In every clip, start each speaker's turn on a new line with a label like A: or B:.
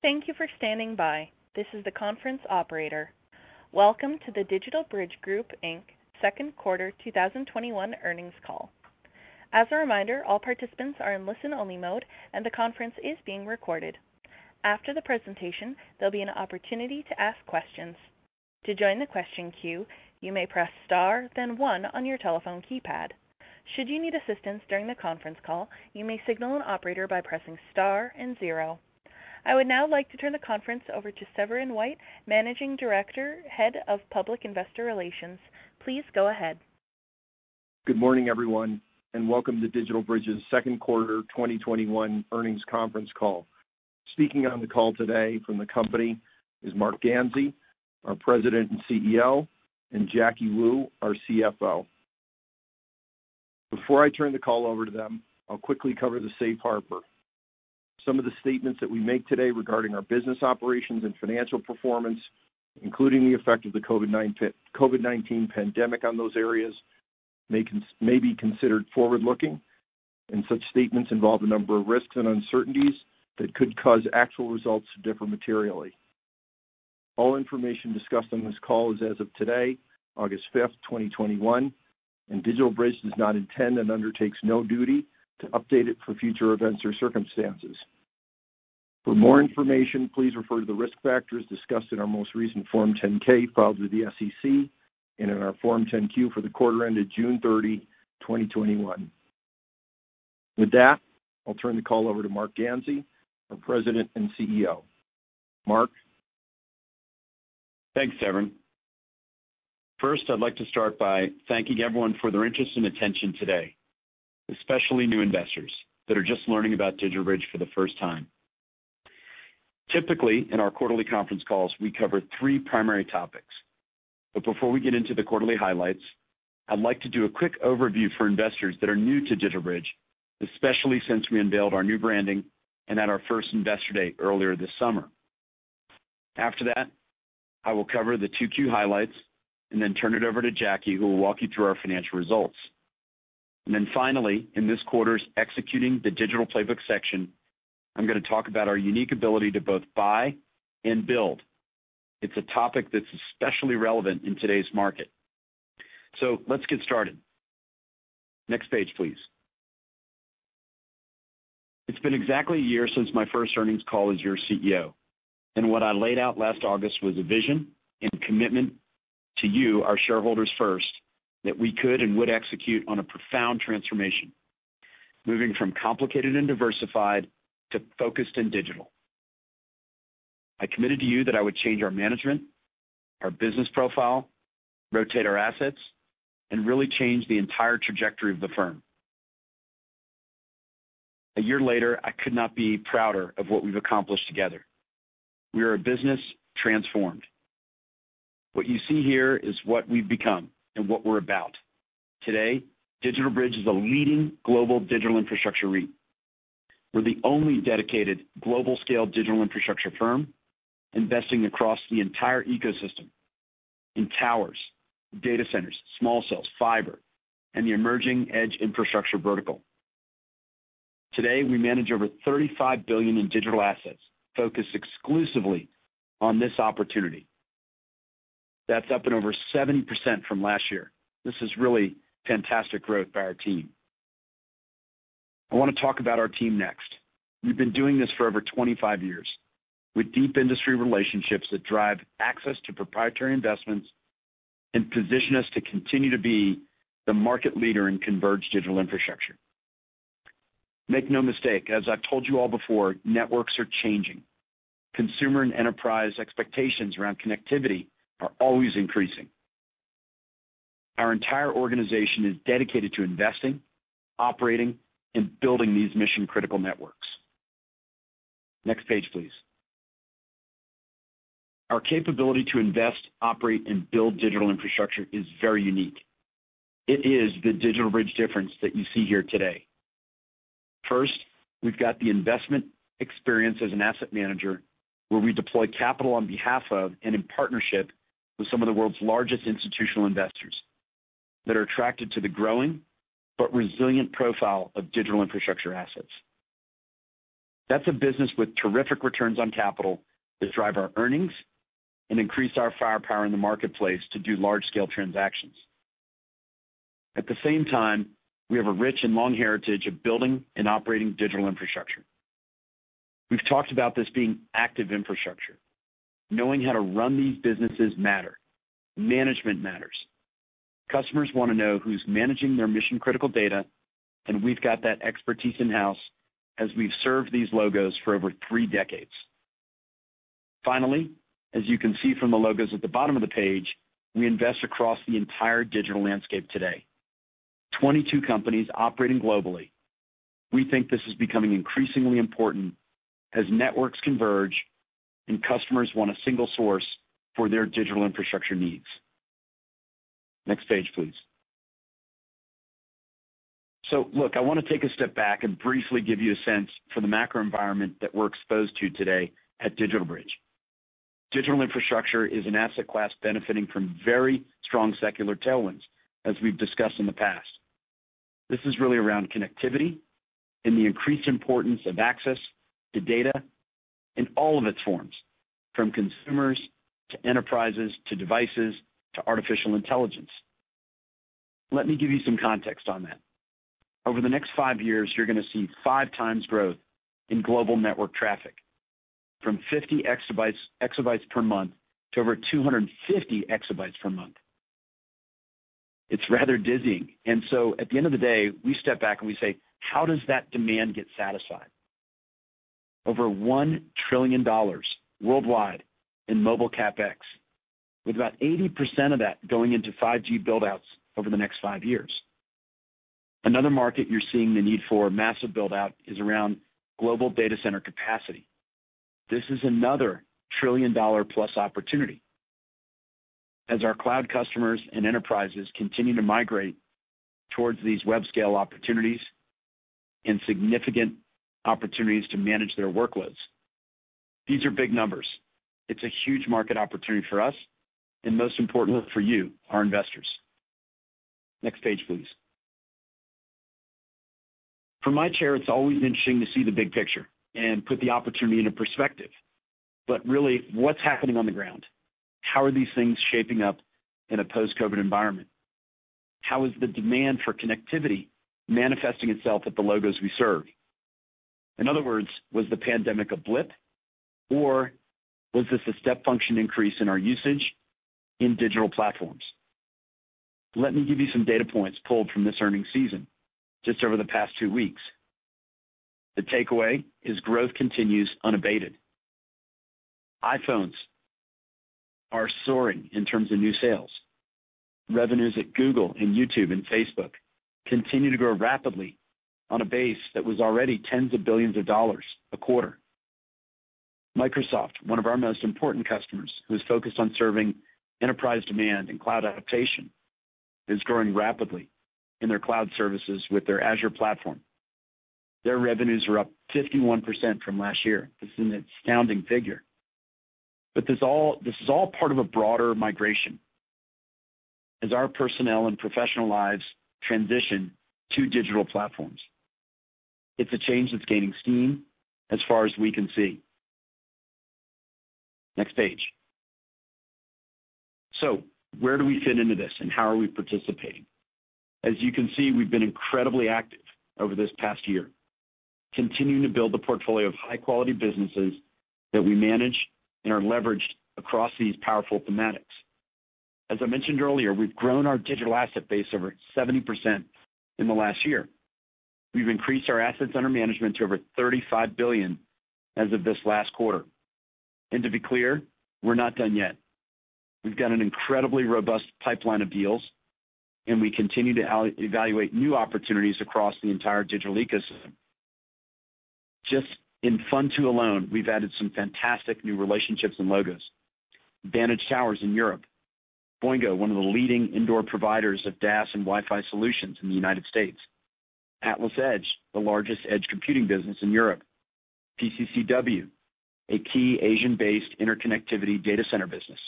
A: Thank you for standing by. This is the conference operator. Welcome to the DigitalBridge Group, Inc second quarter 2021 earnings call. As a reminder, all participants are in listen-only mode, and the conference is being recorded. After the presentation, there will be an opportunity to ask questions. To join the question queue, you may press star then one on your telephone keypad. Should you need assistance during the conference call, you may signal an operator by pressing star and zero. I would now like to turn the conference over to Severin White, Managing Director, Head of Public Investor Relations. Please go ahead.
B: Good morning, everyone, welcome to DigitalBridge's second quarter 2021 earnings conference call. Speaking on the call today from the company is Marc Ganzi, our President and CEO, and Jacky Wu, our CFO. Before I turn the call over to them, I'll quickly cover the safe harbor. Some of the statements that we make today regarding our business operations and financial performance, including the effect of the COVID-19 pandemic on those areas, may be considered forward-looking, and such statements involve a number of risks and uncertainties that could cause actual results to differ materially. All information discussed on this call is as of today, August 5th, 2021, and DigitalBridge does not intend and undertakes no duty to update it for future events or circumstances. For more information, please refer to the risk factors discussed in our most recent Form 10-K filed with the SEC and in our Form 10-Q for the quarter ended June 30, 2021. With that, I'll turn the call over to Marc Ganzi, our President and CEO. Marc?
C: Thanks, Severin. First, I'd like to start by thanking everyone for their interest and attention today, especially new investors that are just learning about DigitalBridge for the first time. Typically, in our quarterly conference calls, we cover three primary topics. Before we get into the quarterly highlights, I'd like to do a quick overview for investors that are new to DigitalBridge, especially since we unveiled our new branding and at our first investor day earlier this summer. After that, I will cover the 2Q highlights and then turn it over to Jacky, who will walk you through our financial results. Finally, in this quarter's Executing the Digital Playbook section, I'm going to talk about our unique ability to both buy and build. It's a topic that's especially relevant in today's market. Let's get started. Next page, please. It's been exactly a year since my first earnings call as your CEO, and what I laid out last August was a vision and commitment to you, our shareholders first, that we could and would execute on a profound transformation, moving from complicated and diversified to focused and digital. I committed to you that I would change our management, our business profile, rotate our assets, and really change the entire trajectory of the firm. A year later, I could not be prouder of what we've accomplished together. We are a business transformed. What you see here is what we've become and what we're about. Today, DigitalBridge is a leading global digital infrastructure REIT. We're the only dedicated global-scale digital infrastructure firm investing across the entire ecosystem in towers, data centers, small cells, fiber, and the emerging edge infrastructure vertical. Today, we manage over $35 billion in digital assets focused exclusively on this opportunity. That's up and over 70% from last year. This is really fantastic growth by our team. I want to talk about our team next. We've been doing this for over 25 years with deep industry relationships that drive access to proprietary investments and position us to continue to be the market leader in converged digital infrastructure. Make no mistake, as I've told you all before, networks are changing. Consumer and enterprise expectations around connectivity are always increasing. Our entire organization is dedicated to investing, operating, and building these mission-critical networks. Next page, please. Our capability to invest, operate, and build digital infrastructure is very unique. It is the DigitalBridge difference that you see here today. First, we've got the investment experience as an asset manager, where we deploy capital on behalf of and in partnership with some of the world's largest institutional investors that are attracted to the growing but resilient profile of digital infrastructure assets. That's a business with terrific returns on capital that drive our earnings and increase our firepower in the marketplace to do large-scale transactions. At the same time, we have a rich and long heritage of building and operating digital infrastructure. We've talked about this being active infrastructure. Knowing how to run these businesses matter. Management matters. Customers want to know who's managing their mission-critical data, and we've got that expertise in-house as we've served these logos for over three decades. Finally, as you can see from the logos at the bottom of the page, we invest across the entire digital landscape today. 22 companies operating globally. We think this is becoming increasingly important as networks converge and customers want a single source for their digital infrastructure needs. Next page, please. I want to take a step back and briefly give you a sense for the macro environment that we're exposed to today at DigitalBridge. Digital infrastructure is an asset class benefiting from very strong secular tailwinds, as we've discussed in the past. This is really around connectivity and the increased importance of access to data in all of its forms, from consumers, to enterprises, to devices, to artificial intelligence. Let me give you some context on that. Over the next five years, you're going to see five times growth in global network traffic from 50 exabytes per month to over 250 exabytes per month. It's rather dizzying. At the end of the day, we step back and we say, "How does that demand get satisfied?" Over $1 trillion worldwide in mobile CapEx, with about 80% of that going into 5G build-outs over the next five years. Another market you're seeing the need for massive build-out is around global data center capacity. This is another trillion-dollar-plus opportunity. As our cloud customers and enterprises continue to migrate towards these web scale opportunities, and significant opportunities to manage their workloads. These are big numbers. It's a huge market opportunity for us, and most importantly, for you, our investors. Next page, please. From my chair, it's always interesting to see the big picture and put the opportunity into perspective. Really, what's happening on the ground? How are these things shaping up in a post-COVID environment? How is the demand for connectivity manifesting itself at the logos we serve? In other words, was the pandemic a blip, or was this a step function increase in our usage in digital platforms? Let me give you some data points pulled from this earnings season, just over the past two weeks. The takeaway is growth continues unabated. iPhones are soaring in terms of new sales. Revenues at Google and YouTube and Facebook continue to grow rapidly on a base that was already tens of billions of dollars a quarter. Microsoft, one of our most important customers, who's focused on serving enterprise demand and cloud adaptation, is growing rapidly in their cloud services with their Azure platform. Their revenues are up 51% from last year. This is an astounding figure. This is all part of a broader migration as our personnel and professional lives transition to digital platforms. It's a change that's gaining steam as far as we can see. Next page. Where do we fit into this, and how are we participating? As you can see, we've been incredibly active over this past year, continuing to build a portfolio of high-quality businesses that we manage and are leveraged across these powerful thematics. As I mentioned earlier, we've grown our digital asset base over 70% in the last year. We've increased our assets under management to over $35 billion as of this last quarter. To be clear, we're not done yet. We've got an incredibly robust pipeline of deals, and we continue to evaluate new opportunities across the entire digital ecosystem. Just in Fund II alone, we've added some fantastic new relationships and logos. Vantage Towers in Europe. Boingo, one of the leading indoor providers of DAS and Wi-Fi solutions in the U.S. AtlasEdge, the largest edge computing business in Europe. PCCW, a key Asian-based interconnectivity data center business.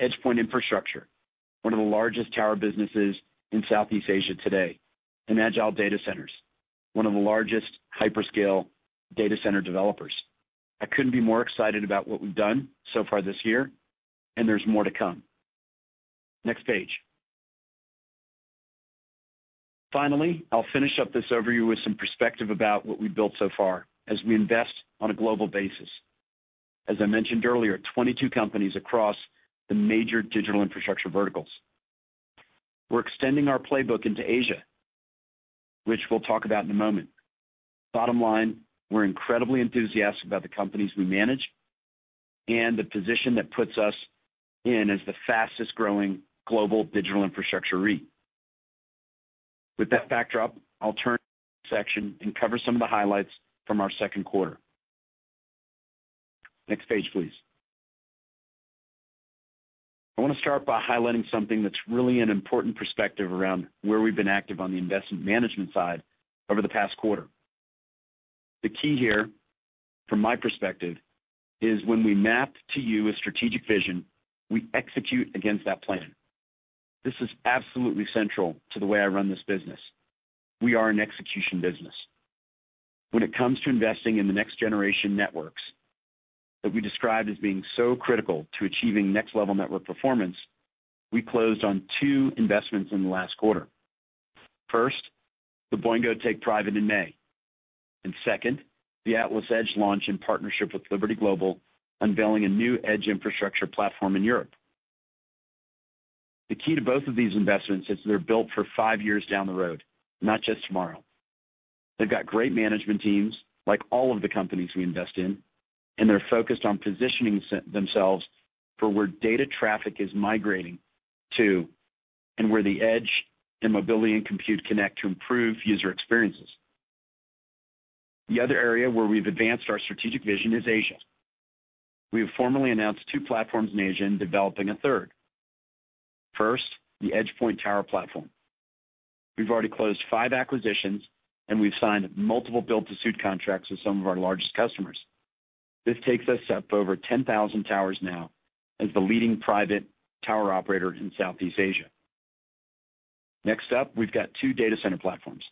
C: EdgePoint Infrastructure, one of the largest tower businesses in Southeast Asia today. Agile Data Centers, one of the largest hyperscale data center developers. I couldn't be more excited about what we've done so far this year, and there's more to come. Next page. Finally, I'll finish up this overview with some perspective about what we've built so far as we invest on a global basis. As I mentioned earlier, 22 companies across the major digital infrastructure verticals. We're extending our playbook into Asia, which we'll talk about in a moment. Bottom line, we're incredibly enthusiastic about the companies we manage and the position that puts us in as the fastest-growing global digital infrastructure REIT. With that backdrop, I'll turn to the section and cover some of the highlights from our second quarter. Next page, please. I want to start by highlighting something that's really an important perspective around where we've been active on the investment management side over the past quarter. The key here, from my perspective, is when we map to you a strategic vision, we execute against that plan. This is absolutely central to the way I run this business. We are an execution business. When it comes to investing in the next-generation networks that we described as being so critical to achieving next-level network performance, we closed on two investments in the last quarter. First, the Boingo take private in May. Second, the AtlasEdge launch in partnership with Liberty Global, unveiling a new edge infrastructure platform in Europe. The key to both of these investments is they're built for five years down the road, not just tomorrow. They've got great management teams, like all of the companies we invest in, and they're focused on positioning themselves for where data traffic is migrating to and where the edge and mobility and compute connect to improve user experiences. The other area where we've advanced our strategic vision is Asia. We have formally announced two platforms in Asia and developing a third. First, the EdgePoint tower platform. We've already closed five acquisitions, and we've signed multiple build-to-suit contracts with some of our largest customers. This takes us up over 10,000 towers now as the leading private tower operator in Southeast Asia. Next up, we've got two data center platforms.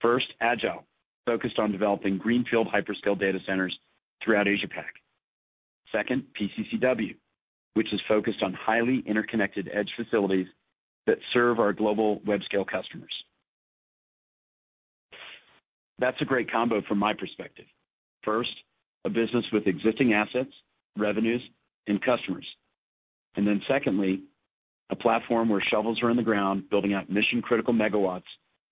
C: First, Agile, focused on developing greenfield hyperscale data centers throughout Asia-Pac. Second, PCCW, which is focused on highly interconnected edge facilities that serve our global web scale customers. That's a great combo from my perspective. First, a business with existing assets, revenues, and customers. Secondly, a platform where shovels are in the ground building out mission-critical megawatts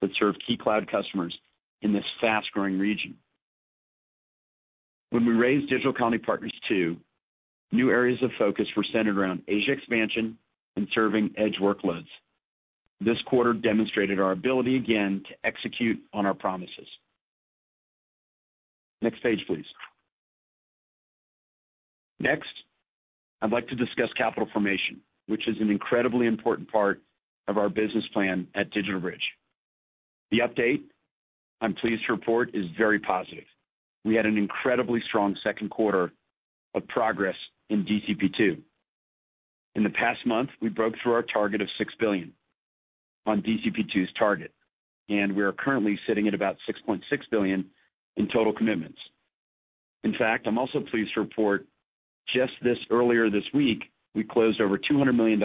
C: that serve key cloud customers in this fast-growing region. When we raised Digital Colony Partners II, new areas of focus were centered around Asia expansion and serving edge workloads. This quarter demonstrated our ability again to execute on our promises. Next page, please. Next, I'd like to discuss capital formation, which is an incredibly important part of our business plan at DigitalBridge. The update, I'm pleased to report, is very positive. We had an incredibly strong second quarter of progress in DCP II. In the past month, we broke through our target of $6 billion on DCP II's target, and we are currently sitting at about $6.6 billion in total commitments. In fact, I'm also pleased to report just this earlier this week, we closed over $200 million.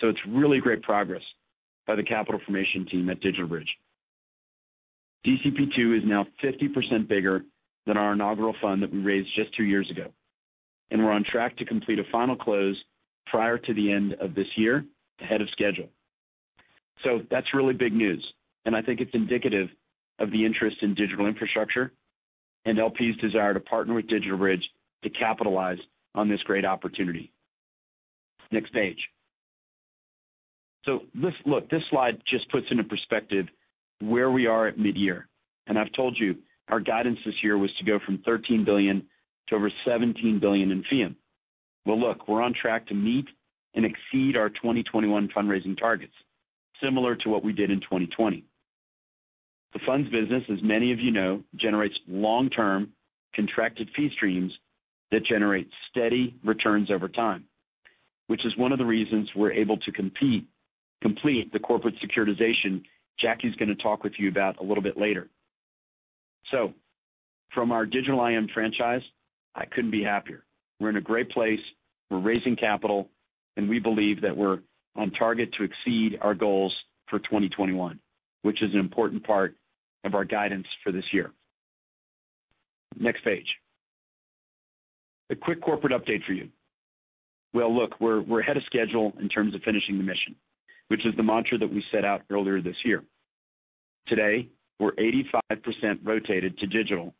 C: It's really great progress by the capital formation team at DigitalBridge. DCP II is now 50% bigger than our inaugural fund that we raised just two years ago. We're on track to complete a final close prior to the end of this year, ahead of schedule. That's really big news, and I think it's indicative of the interest in digital infrastructure and LPs' desire to partner with DigitalBridge to capitalize on this great opportunity. Next page. Look, this slide just puts into perspective where we are at mid-year. I've told you, our guidance this year was to go from $13 billion to over $17 billion in fee. Well, look, we're on track to meet and exceed our 2021 fundraising targets, similar to what we did in 2020. The funds business, as many of you know, generates long-term contracted fee streams that generate steady returns over time, which is one of the reasons we're able to complete the corporate securitization Jacky's going to talk with you about a little bit later. From our Digital IM franchise, I couldn't be happier. We're in a great place. We're raising capital, and we believe that we're on target to exceed our goals for 2021, which is an important part of our guidance for this year. Next page. A quick corporate update for you. Look, we're ahead of schedule in terms of finishing the mission, which is the mantra that we set out earlier this year. Today, we're 85% rotated to digital,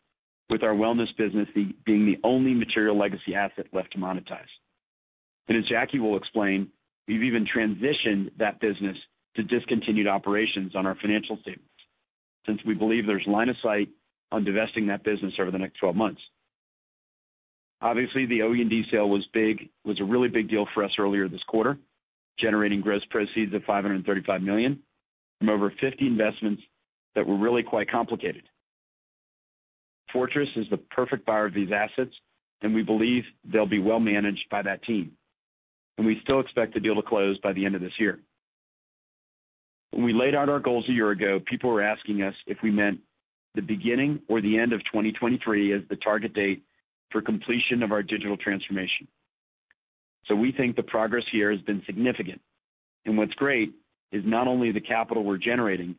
C: with our wellness business being the only material legacy asset left to monetize. As Jacky will explain, we've even transitioned that business to discontinued operations on our financial statements since we believe there's line of sight on divesting that business over the next 12 months. The OE&D sale was a really big deal for us earlier this quarter, generating gross proceeds of $535 million from over 50 investments that were really quite complicated. Fortress is the perfect buyer of these assets, we believe they'll be well managed by that team. We still expect the deal to close by the end of this year. When we laid out our goals a year ago, people were asking us if we meant the beginning or the end of 2023 as the target date for completion of our digital transformation. We think the progress here has been significant. What's great is not only the capital we're generating,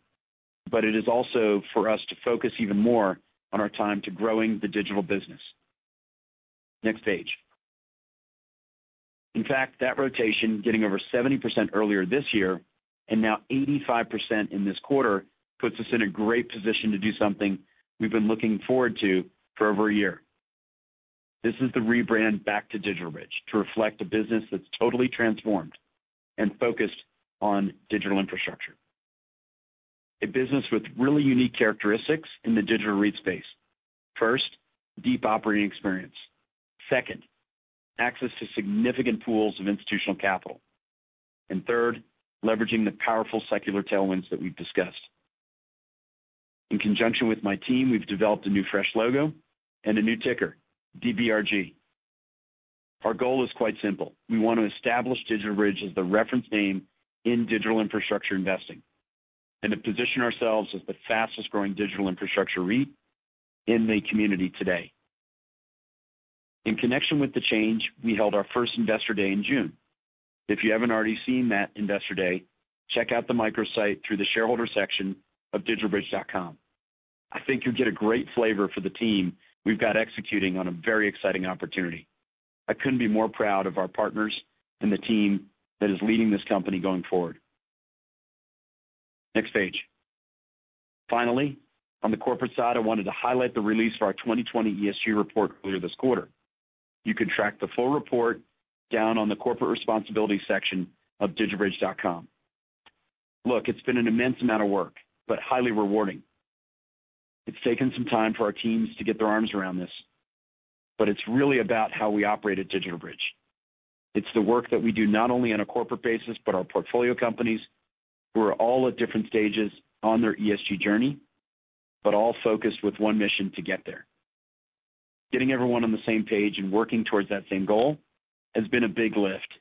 C: but it is also for us to focus even more on our time to growing the digital business. Next page. In fact, that rotation getting over 70% earlier this year and now 85% in this quarter puts us in a great position to do something we've been looking forward to for over a year. This is the rebrand back to DigitalBridge to reflect a business that's totally transformed and focused on digital infrastructure. A business with really unique characteristics in the digital REIT space. First, deep operating experience. Second, access to significant pools of institutional capital. Third, leveraging the powerful secular tailwinds that we've discussed. In conjunction with my team, we've developed a new fresh logo and a new ticker, DBRG. Our goal is quite simple. We want to establish DigitalBridge as the reference name in digital infrastructure investing and to position ourselves as the fastest-growing digital infrastructure REIT in the community today. In connection with the change, we held our first investor day in June. If you haven't already seen that investor day, check out the microsite through the shareholder section of digitalbridge.com. I think you'll get a great flavor for the team we've got executing on a very exciting opportunity. I couldn't be more proud of our partners and the team that is leading this company going forward. Next page. Finally, on the corporate side, I wanted to highlight the release of our 2020 ESG report earlier this quarter. You can track the full report down on the corporate responsibility section of digitalbridge.com. It's been an immense amount of work, but highly rewarding. It's taken some time for our teams to get their arms around this, but it's really about how we operate at DigitalBridge. It's the work that we do not only on a corporate basis, but our portfolio companies who are all at different stages on their ESG journey, but all focused with one mission to get there. Getting everyone on the same page and working towards that same goal has been a big lift,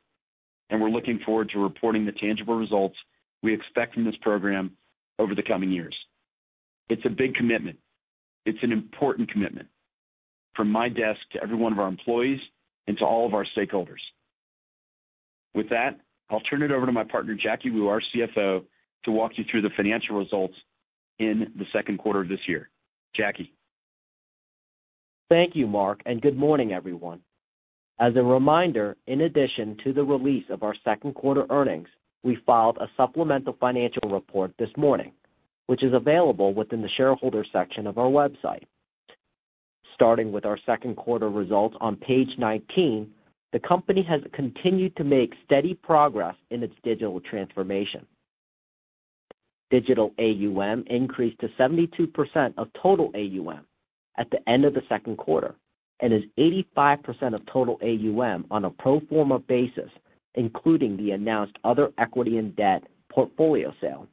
C: and we're looking forward to reporting the tangible results we expect from this program over the coming years. It's a big commitment. It's an important commitment from my desk to every one of our employees and to all of our stakeholders. With that, I'll turn it over to my partner, Jacky Wu, our CFO, to walk you through the financial results in the second quarter of this year. Jacky.
D: Thank you, Marc, and good morning, everyone. As a reminder, in addition to the release of our second quarter earnings, we filed a supplemental financial report this morning, which is available within the shareholder section of our website. Starting with our second quarter results on page 19, the company has continued to make steady progress in its digital transformation. Digital AUM increased to 72% of total AUM at the end of the second quarter and is 85% of total AUM on a pro forma basis, including the announced Other Equity & Debt portfolio sale.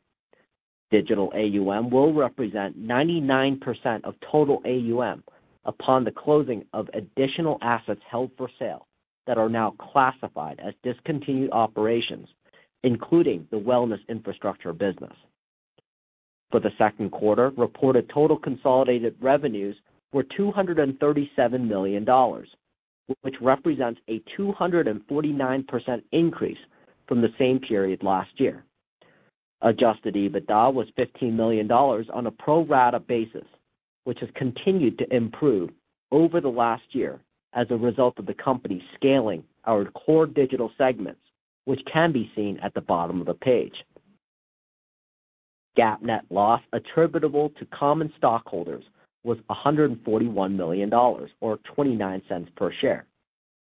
D: Digital AUM will represent 99% of total AUM upon the closing of additional assets held for sale that are now classified as discontinued operations, including the wellness infrastructure business. For the second quarter, reported total consolidated revenues were $237 million, which represents a 249% increase from the same period last year. Adjusted EBITDA was $15 million on a pro rata basis, which has continued to improve over the last year as a result of the company scaling our core digital segments, which can be seen at the bottom of the page. GAAP net loss attributable to common stockholders was $141 million, or $0.29 per share.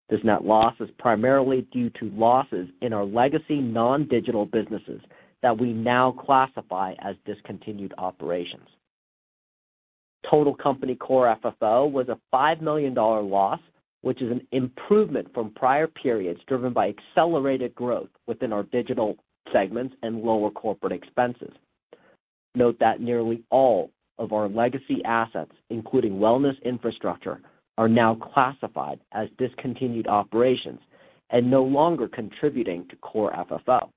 D: This net loss is primarily due to losses in our legacy non-digital businesses that we now classify as discontinued operations. Total company core FFO was a $5 million loss, which is an improvement from prior periods driven by accelerated growth within our digital segments and lower corporate expenses. Note that nearly all of our legacy assets, including wellness infrastructure, are now classified as discontinued operations and no longer contributing to core FFO.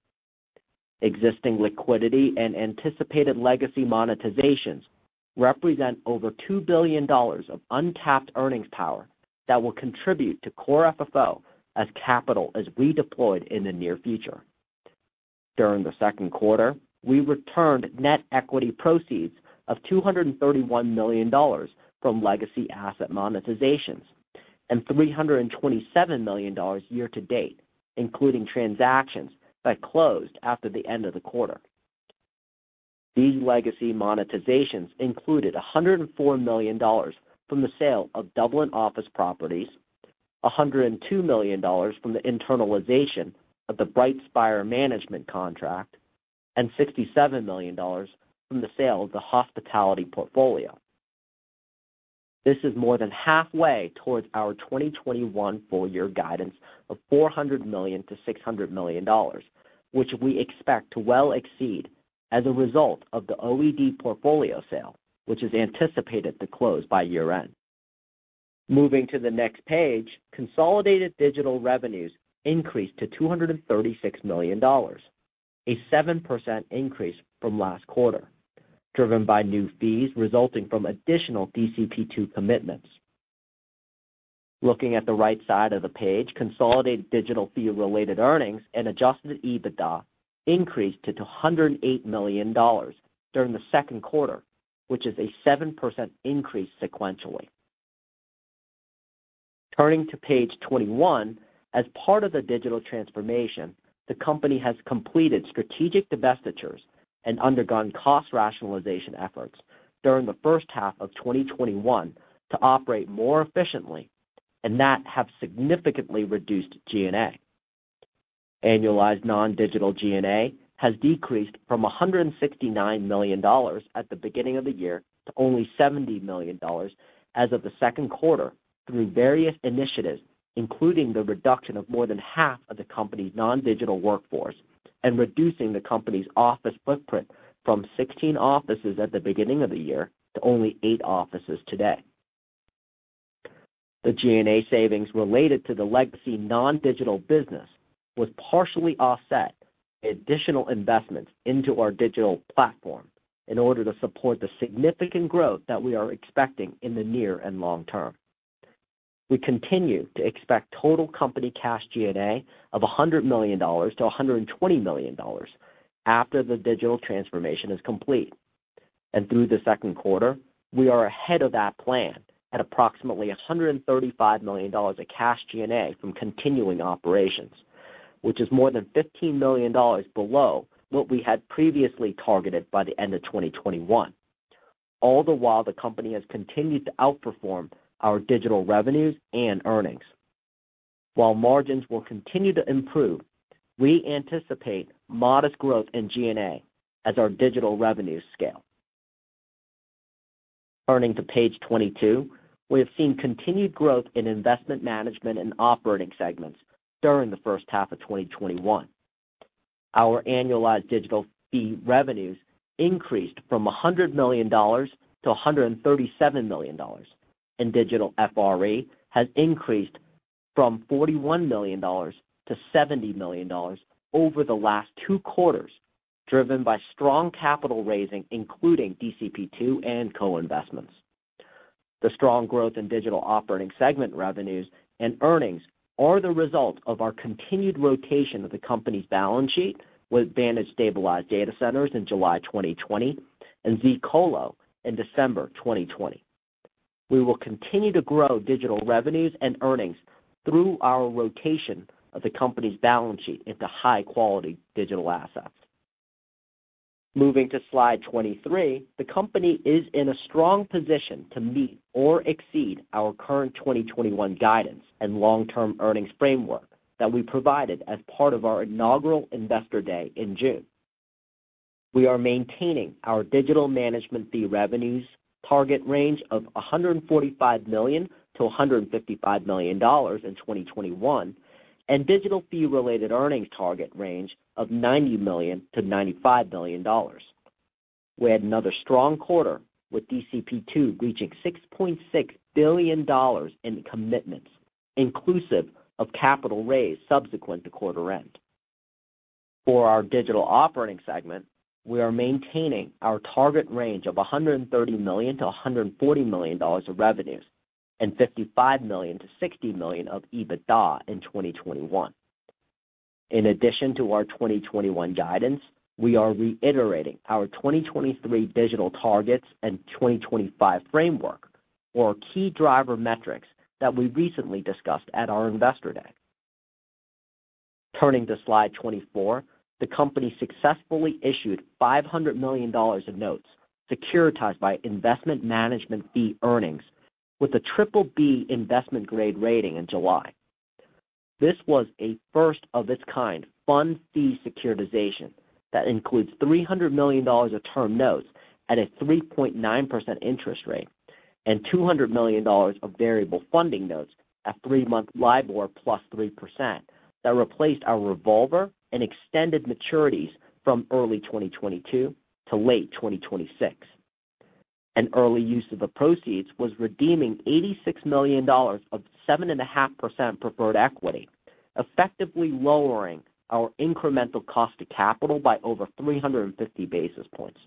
D: Existing liquidity and anticipated legacy monetizations represent over $2 billion of untapped earnings power that will contribute to core FFO as capital is redeployed in the near future. During the second quarter, we returned net equity proceeds of $231 million from legacy asset monetizations and $327 million year to date, including transactions that closed after the end of the quarter. These legacy monetizations included $104 million from the sale of Dublin office properties, $102 million from the internalization of the BrightSpire management contract, and $67 million from the sale of the hospitality portfolio. This is more than halfway towards our 2021 full year guidance of $400 million-$600 million, which we expect to well exceed as a result of the OED portfolio sale, which is anticipated to close by year-end. Moving to the next page, consolidated digital revenues increased to $236 million, a 7% increase from last quarter, driven by new fees resulting from additional DCP II commitments. Looking at the right side of the page, consolidated digital fee related earnings and adjusted EBITDA increased to $108 million during the second quarter, which is a 7% increase sequentially. Turning to page 21. As part of the digital transformation, the company has completed strategic divestitures and undergone cost rationalization efforts during the first half of 2021 to operate more efficiently, and that have significantly reduced G&A. Annualized non-digital G&A has decreased from $169 million at the beginning of the year to only $70 million as of the second quarter through various initiatives, including the reduction of more than half of the company's non-digital workforce and reducing the company's office footprint from 16 offices at the beginning of the year to only eight offices today. The G&A savings related to the legacy non-digital business was partially offset additional investments into our digital platform in order to support the significant growth that we are expecting in the near and long term. We continue to expect total company cash G&A of $100 million-$120 million after the digital transformation is complete. Through the second quarter, we are ahead of that plan at approximately $135 million of cash G&A from continuing operations, which is more than $15 million below what we had previously targeted by the end of 2021. All the while, the company has continued to outperform our digital revenues and earnings. While margins will continue to improve, we anticipate modest growth in G&A as our digital revenues scale. Turning to page 22. We have seen continued growth in investment management and operating segments during the first half of 2021. Our annualized digital fee revenues increased from $100 million to $137 million, and digital FRE has increased from $41 million to $70 million over the last two quarters, driven by strong capital raising, including DCP II and co-investments. The strong growth in digital operating segment revenues and earnings are the result of our continued rotation of the company's balance sheet with Vantage Stabilized Data Centers in July 2020 and zColo in December 2020. We will continue to grow digital revenues and earnings through our rotation of the company's balance sheet into high-quality digital assets. Moving to slide 23. The company is in a strong position to meet or exceed our current 2021 guidance and long-term earnings framework that we provided as part of our inaugural Investor Day in June. We are maintaining our digital management fee revenues target range of $145 million-$155 million in 2021, and digital fee-related earnings target range of $90 million-$95 million. We had another strong quarter, with DCP II reaching $6.6 billion in commitments, inclusive of capital raised subsequent to quarter end. For our digital operating segment, we are maintaining our target range of $130 million-$140 million of revenues and $55 million-$60 million of EBITDA in 2021. In addition to our 2021 guidance, we are reiterating our 2023 digital targets and 2025 framework or key driver metrics that we recently discussed at our Investor Day. Turning to slide 24. The company successfully issued $500 million of notes securitized by investment management fee earnings with a BBB investment grade rating in July. This was a first-of-its-kind fund fee securitization that includes $300 million of term notes at a 3.9% interest rate and $200 million of variable funding notes at three-month LIBOR +3% that replaced our revolver and extended maturities from early 2022 to late 2026. An early use of the proceeds was redeeming $86 million of 7.5% preferred equity, effectively lowering our incremental cost of capital by over 350 basis points.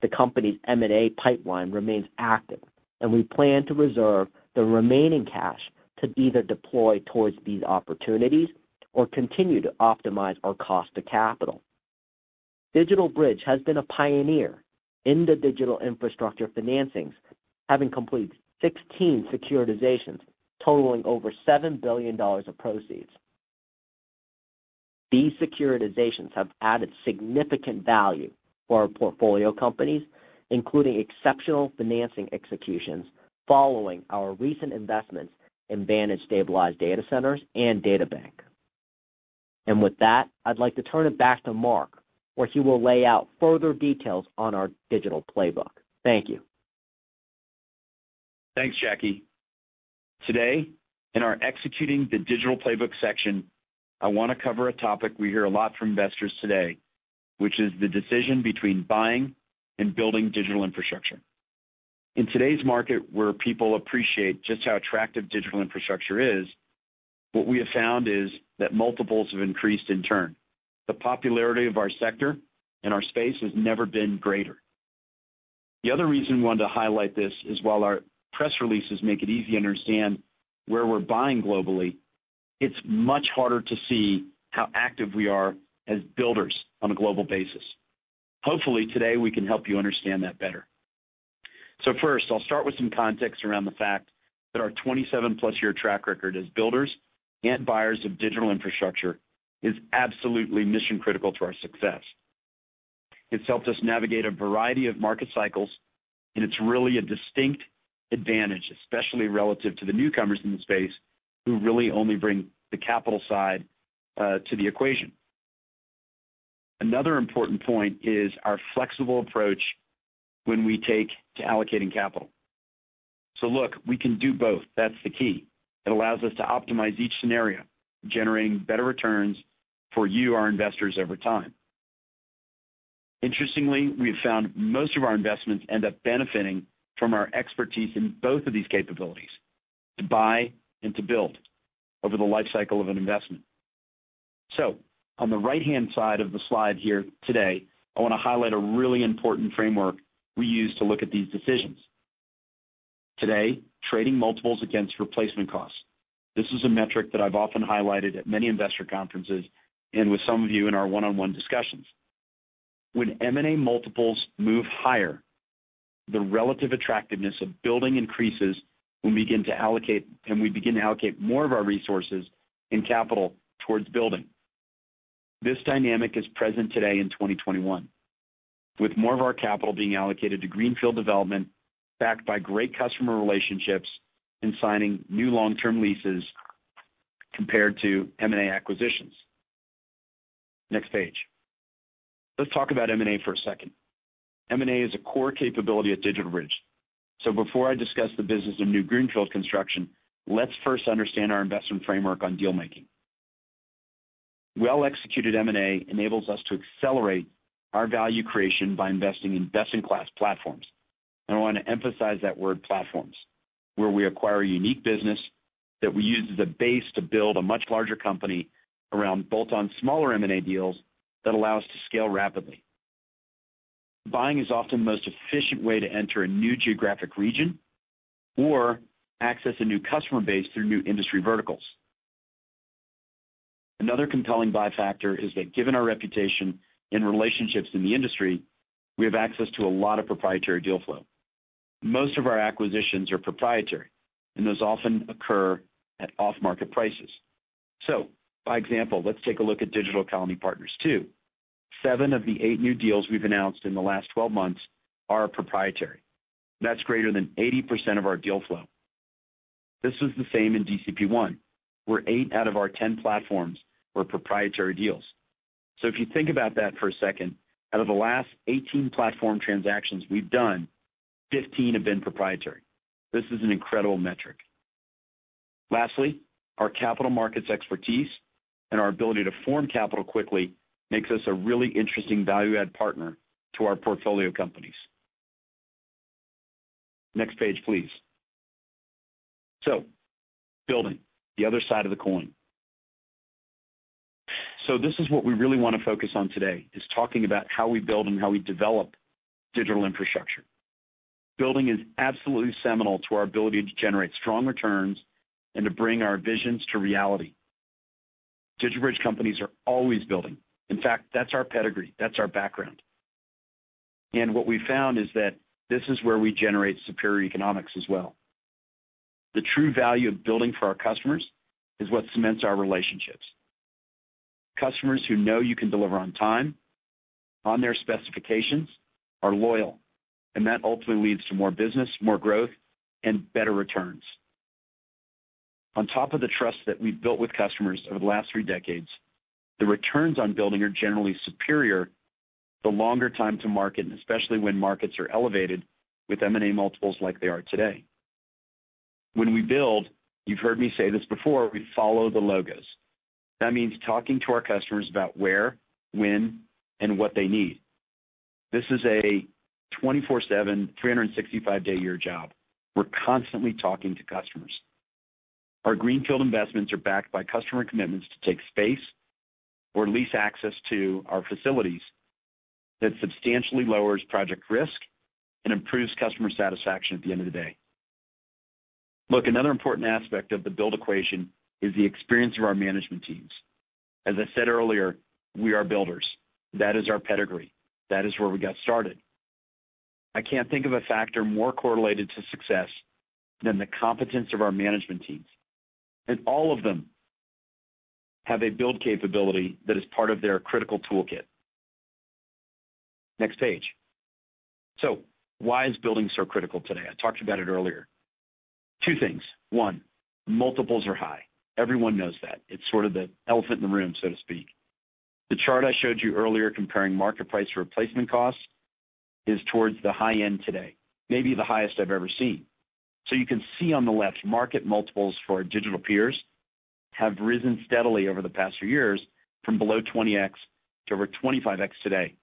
D: The company's M&A pipeline remains active, and we plan to reserve the remaining cash to either deploy towards these opportunities or continue to optimize our cost of capital. DigitalBridge has been a pioneer in the digital infrastructure financings, having completed 16 securitizations totaling over $7 billion of proceeds. These securitizations have added significant value for our portfolio companies, including exceptional financing executions following our recent investments in Vantage Stabilized Data Centers and DataBank. With that, I'd like to turn it back to Marc, where he will lay out further details on our digital playbook. Thank you.
C: Thanks, Jacky. Today, in our Executing the Digital Playbook section, I want to cover a topic we hear a lot from investors today, which is the decision between buying and building digital infrastructure. In today's market, where people appreciate just how attractive digital infrastructure is, what we have found is that multiples have increased in turn. The popularity of our sector and our space has never been greater. The other reason we wanted to highlight this is while our press releases make it easy to understand where we're buying globally, it's much harder to see how active we are as builders on a global basis. Hopefully today, we can help you understand that better. First, I'll start with some context around the fact that our 27+ year track record as builders and buyers of digital infrastructure is absolutely mission-critical to our success. It's helped us navigate a variety of market cycles, and it's really a distinct advantage, especially relative to the newcomers in the space, who really only bring the capital side to the equation. Another important point is our flexible approach when we take to allocating capital. Look, we can do both. That's the key. It allows us to optimize each scenario, generating better returns for you, our investors, over time. Interestingly, we have found most of our investments end up benefiting from our expertise in both of these capabilities: to buy and to build over the life cycle of an investment. On the right-hand side of the slide here today, I want to highlight a really important framework we use to look at these decisions. Today, trading multiples against replacement costs. This is a metric that I've often highlighted at many investor conferences and with some of you in our one-on-one discussions. When M&A multiples move higher, the relative attractiveness of building increases and we begin to allocate more of our resources and capital towards building. This dynamic is present today in 2021, with more of our capital being allocated to greenfield development backed by great customer relationships and signing new long-term leases compared to M&A acquisitions. Next page. Let's talk about M&A for a second. M&A is a core capability at DigitalBridge. Before I discuss the business of new greenfield construction, let's first understand our investment framework on deal-making. Well-executed M&A enables us to accelerate our value creation by investing in best-in-class platforms. I want to emphasize that word platforms, where we acquire a unique business that we use as a base to build a much larger company around bolt-on smaller M&A deals that allow us to scale rapidly. Buying is often the most efficient way to enter a new geographic region or access a new customer base through new industry verticals. Another compelling buy factor is that given our reputation and relationships in the industry, we have access to a lot of proprietary deal flow. Most of our acquisitions are proprietary, and those often occur at off-market prices. By example, let's take a look at Digital Colony Partners II. Seven of the eight new deals we've announced in the last 12 months are proprietary. That's greater than 80% of our deal flow. This was the same in DCP I, where eight out of our 10 platforms were proprietary deals. If you think about that for a second, out of the last 18 platform transactions we've done, 15 have been proprietary. This is an incredible metric. Lastly, our capital markets expertise and our ability to form capital quickly makes us a really interesting value-add partner to our portfolio companies. Next page, please. Building, the other side of the coin. This is what we really want to focus on today, is talking about how we build and how we develop digital infrastructure. Building is absolutely seminal to our ability to generate strong returns and to bring our visions to reality. DigitalBridge companies are always building. In fact, that's our pedigree. That's our background. What we've found is that this is where we generate superior economics as well. The true value of building for our customers is what cements our relationships. Customers who know you can deliver on time, on their specifications, are loyal, and that ultimately leads to more business, more growth, and better returns. On top of the trust that we've built with customers over the last three decades, the returns on building are generally superior the longer time to market, and especially when markets are elevated with M&A multiples like they are today. When we build, you've heard me say this before, we follow the logos. That means talking to our customers about where, when, and what they need. This is a 24/7, 365-day-a-year job. We're constantly talking to customers. Our greenfield investments are backed by customer commitments to take space or lease access to our facilities that substantially lowers project risk and improves customer satisfaction at the end of the day. Look, another important aspect of the build equation is the experience of our management teams. As I said earlier, we are builders. That is our pedigree. That is where we got started. I can't think of a factor more correlated to success than the competence of our management teams. All of them have a build capability that is part of their critical toolkit. Next page. Why is building so critical today? I talked about it earlier. Two things. One, multiples are high. Everyone knows that. It's sort of the elephant in the room, so to speak. The chart I showed you earlier comparing market price to replacement costs is towards the high end today, maybe the highest I've ever seen. You can see on the left, market multiples for our digital peers have risen steadily over the past few years from below 20x to over 25x today.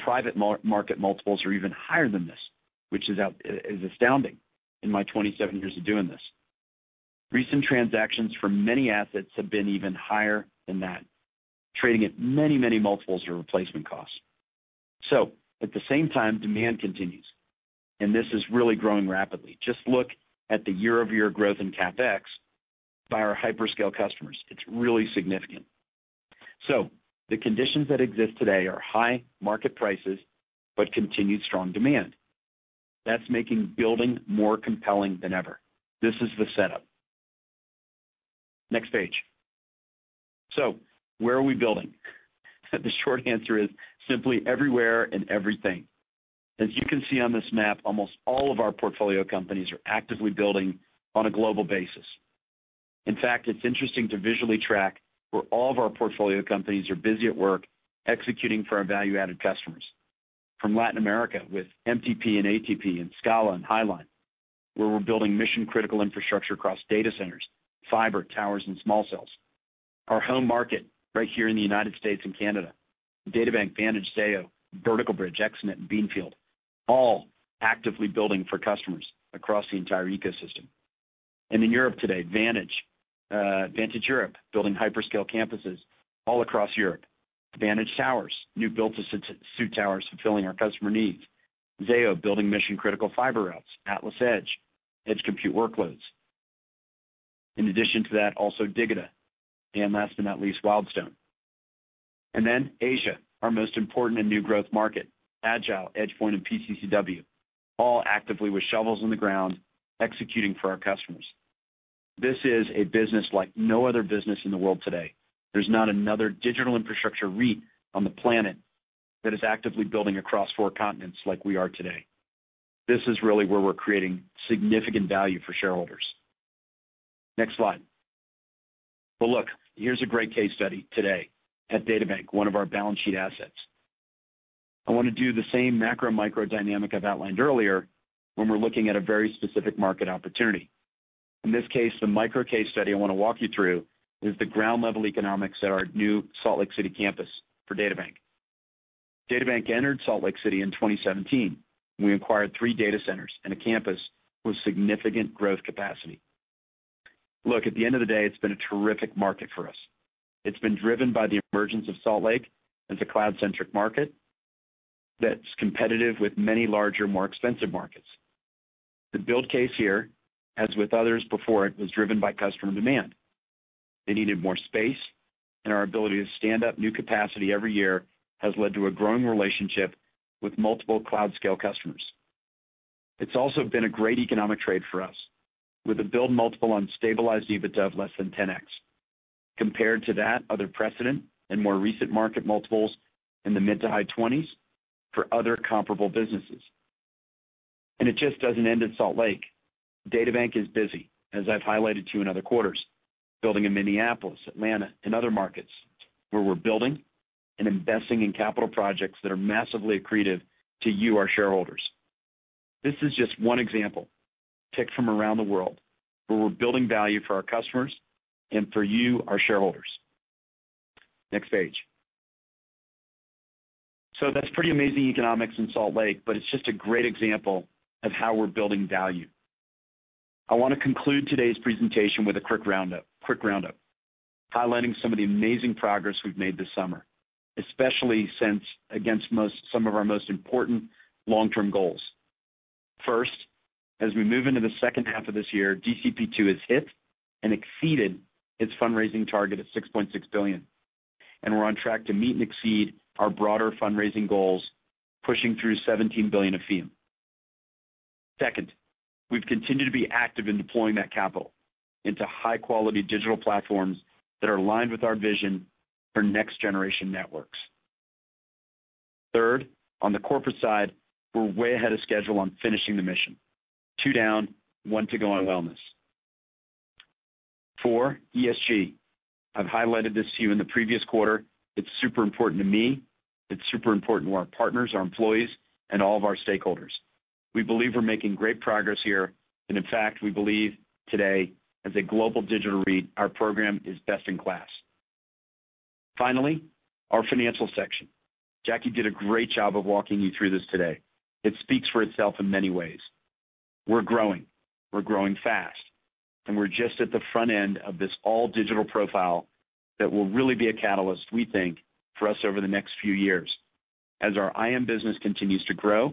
C: Private market multiples are even higher than this, which is astounding in my 27 years of doing this. Recent transactions for many assets have been even higher than that, trading at many, many multiples of replacement costs. At the same time, demand continues, and this is really growing rapidly. Just look at the year-over-year growth in CapEx by our hyperscale customers. It's really significant. The conditions that exist today are high market prices but continued strong demand. That's making building more compelling than ever. This is the setup. Next page. Where are we building? The short answer is simply everywhere and everything. As you can see on this map, almost all of our portfolio companies are actively building on a global basis. In fact, it's interesting to visually track where all of our portfolio companies are busy at work executing for our value-added customers. From Latin America with MTP and ATP and Scala Data Centers and Highline do Brasil, where we're building mission-critical infrastructure across data centers, fiber, towers, and small cells. Our home market right here in the U.S. and Canada, DataBank, Vantage, Zayo, Vertical Bridge, ExteNet Systems, and Beanfield Technologies, all actively building for customers across the entire ecosystem. In Europe today, Vantage, Vantage Europe, building hyperscale campuses all across Europe. Vantage Towers, new built suit towers fulfilling our customer needs. Zayo, building mission-critical fiber routes. AtlasEdge, edge compute workloads. In addition to that, also Digita, AMS-IX, and at lease Wildstone. Then Asia, our most important and new growth market. Agile Data Centers, EdgePoint Infrastructure, and PCCW, all actively with shovels in the ground executing for our customers. This is a business like no other business in the world today. There's not another digital infrastructure REIT on the planet that is actively building across four continents like we are today. This is really where we're creating significant value for shareholders. Next slide. Look, here's a great case study today at DataBank, one of our balance sheet assets. I want to do the same macro micro dynamic I've outlined earlier when we're looking at a very specific market opportunity. In this case, the micro case study I want to walk you through is the ground level economics at our new Salt Lake City campus for DataBank. DataBank entered Salt Lake City in 2017. We acquired three data centers and a campus with significant growth capacity. Look, at the end of the day, it's been a terrific market for us. It's been driven by the emergence of Salt Lake as a cloud-centric market that's competitive with many larger, more expensive markets. The build case here, as with others before it, was driven by customer demand. They needed more space, and our ability to stand up new capacity every year has led to a growing relationship with multiple cloud scale customers. It's also been a great economic trade for us with a build multiple on stabilized EBITDA of less than 10x, compared to that other precedent and more recent market multiples in the mid-to-high 20s for other comparable businesses. It just doesn't end at Salt Lake. DataBank is busy, as I've highlighted to you in other quarters, building in Minneapolis, Atlanta, and other markets where we're building and investing in capital projects that are massively accretive to you, our shareholders. This is just one example picked from around the world where we're building value for our customers and for you, our shareholders. Next page. That's pretty amazing economics in Salt Lake, but it's just a great example of how we're building value. I want to conclude today's presentation with a quick roundup, highlighting some of the amazing progress we've made this summer, especially since against some of our most important long-term goals. First, as we move into the second half of this year, DCP II has hit and exceeded its fundraising target of $6.6 billion, and we're on track to meet and exceed our broader fundraising goals, pushing through $17 billion of fee. Second, we've continued to be active in deploying that capital into high-quality digital platforms that are aligned with our vision for next generation networks. Third, on the corporate side, we're way ahead of schedule on finishing the mission. Two down, one to go on wellness. Four, ESG. I've highlighted this to you in the previous quarter. It's super important to me. It's super important to our partners, our employees, and all of our stakeholders. We believe we're making great progress here, and in fact, we believe today, as a global digital REIT, our program is best in class. Finally, our financial section. Jacky did a great job of walking you through this today. It speaks for itself in many ways. We're growing, we're growing fast, and we're just at the front end of this all digital profile that will really be a catalyst, we think, for us over the next few years as our IM business continues to grow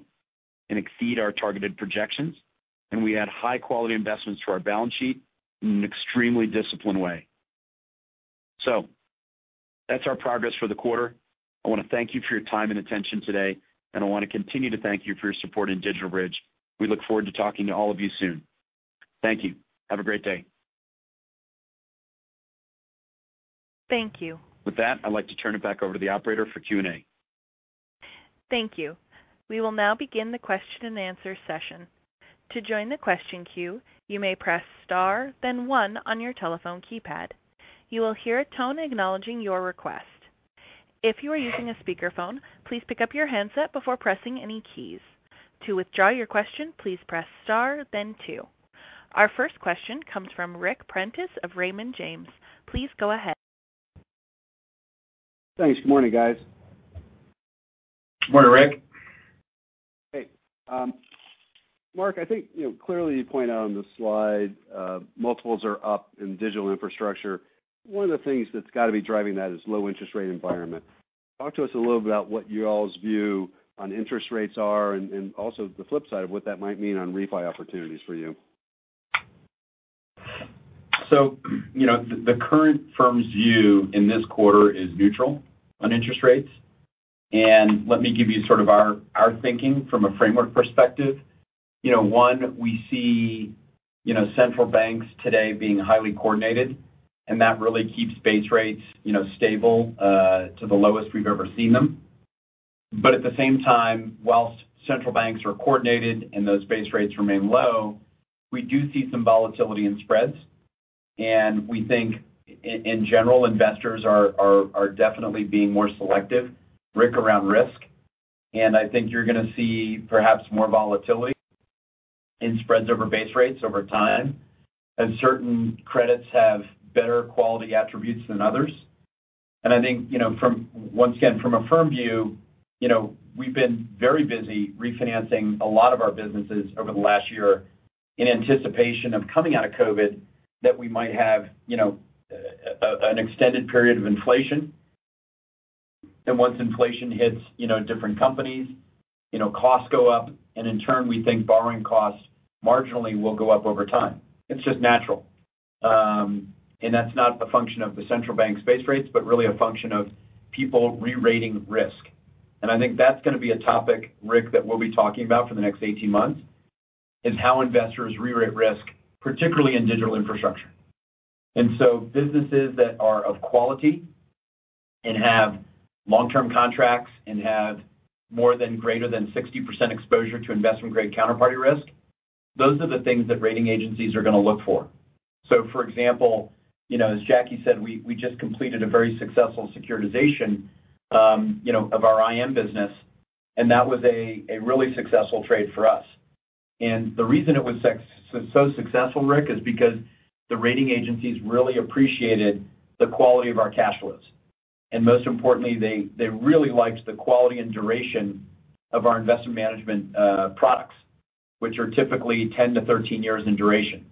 C: and exceed our targeted projections, and we add high quality investments to our balance sheet in an extremely disciplined way. That's our progress for the quarter. I want to thank you for your time and attention today, and I want to continue to thank you for your support in DigitalBridge. We look forward to talking to all of you soon. Thank you. Have a great day.
A: Thank you.
C: With that, I'd like to turn it back over to the operator for Q&A.
A: Thank you. We will now begin the question and answer session. To join the question queue, you may press star then one on your telephone keypad. You will hear a tone acknowledging your request. If you're using a speaker phone, please pick up your handset before pressing any keys. To withdraw your question, please press star then two. Our first question comes from Ric Prentiss of Raymond James. Please go ahead.
E: Thanks. Good morning, guys.
C: Morning, Ric.
E: Hey. Marc, I think clearly you point out on the slide, multiples are up in digital infrastructure. One of the things that's got to be driving that is low interest rate environment. Talk to us a little about what you all's view on interest rates are and also the flip side of what that might mean on refi opportunities for you.
C: The current firm's view in this quarter is neutral on interest rates. Let me give you our thinking from a framework perspective. One, we see central banks today being highly coordinated, and that really keeps base rates stable to the lowest we've ever seen them. At the same time, whilst central banks are coordinated and those base rates remain low, we do see some volatility in spreads, and we think, in general, investors are definitely being more selective, Ric, around risk. I think you're going to see perhaps more volatility in spreads over base rates over time as certain credits have better quality attributes than others. I think, once again, from a firm view, we've been very busy refinancing a lot of our businesses over the last year in anticipation of coming out of COVID, that we might have an extended period of inflation. Once inflation hits different companies, costs go up, and in turn, we think borrowing costs marginally will go up over time. It's just natural. That's not a function of the central bank's base rates, but really a function of people re-rating risk. I think that's going to be a topic, Ric, that we'll be talking about for the next 18 months, is how investors re-rate risk, particularly in digital infrastructure. Businesses that are of quality and have long-term contracts and have more than greater than 60% exposure to investment-grade counterparty risk, those are the things that rating agencies are going to look for. For example, as Jacky said, we just completed a very successful securitization of our IM business, and that was a really successful trade for us. The reason it was so successful, Ric, is because the rating agencies really appreciated the quality of our cash flows. Most importantly, they really liked the quality and duration of our investment management products, which are typically 10 to 13 years in duration.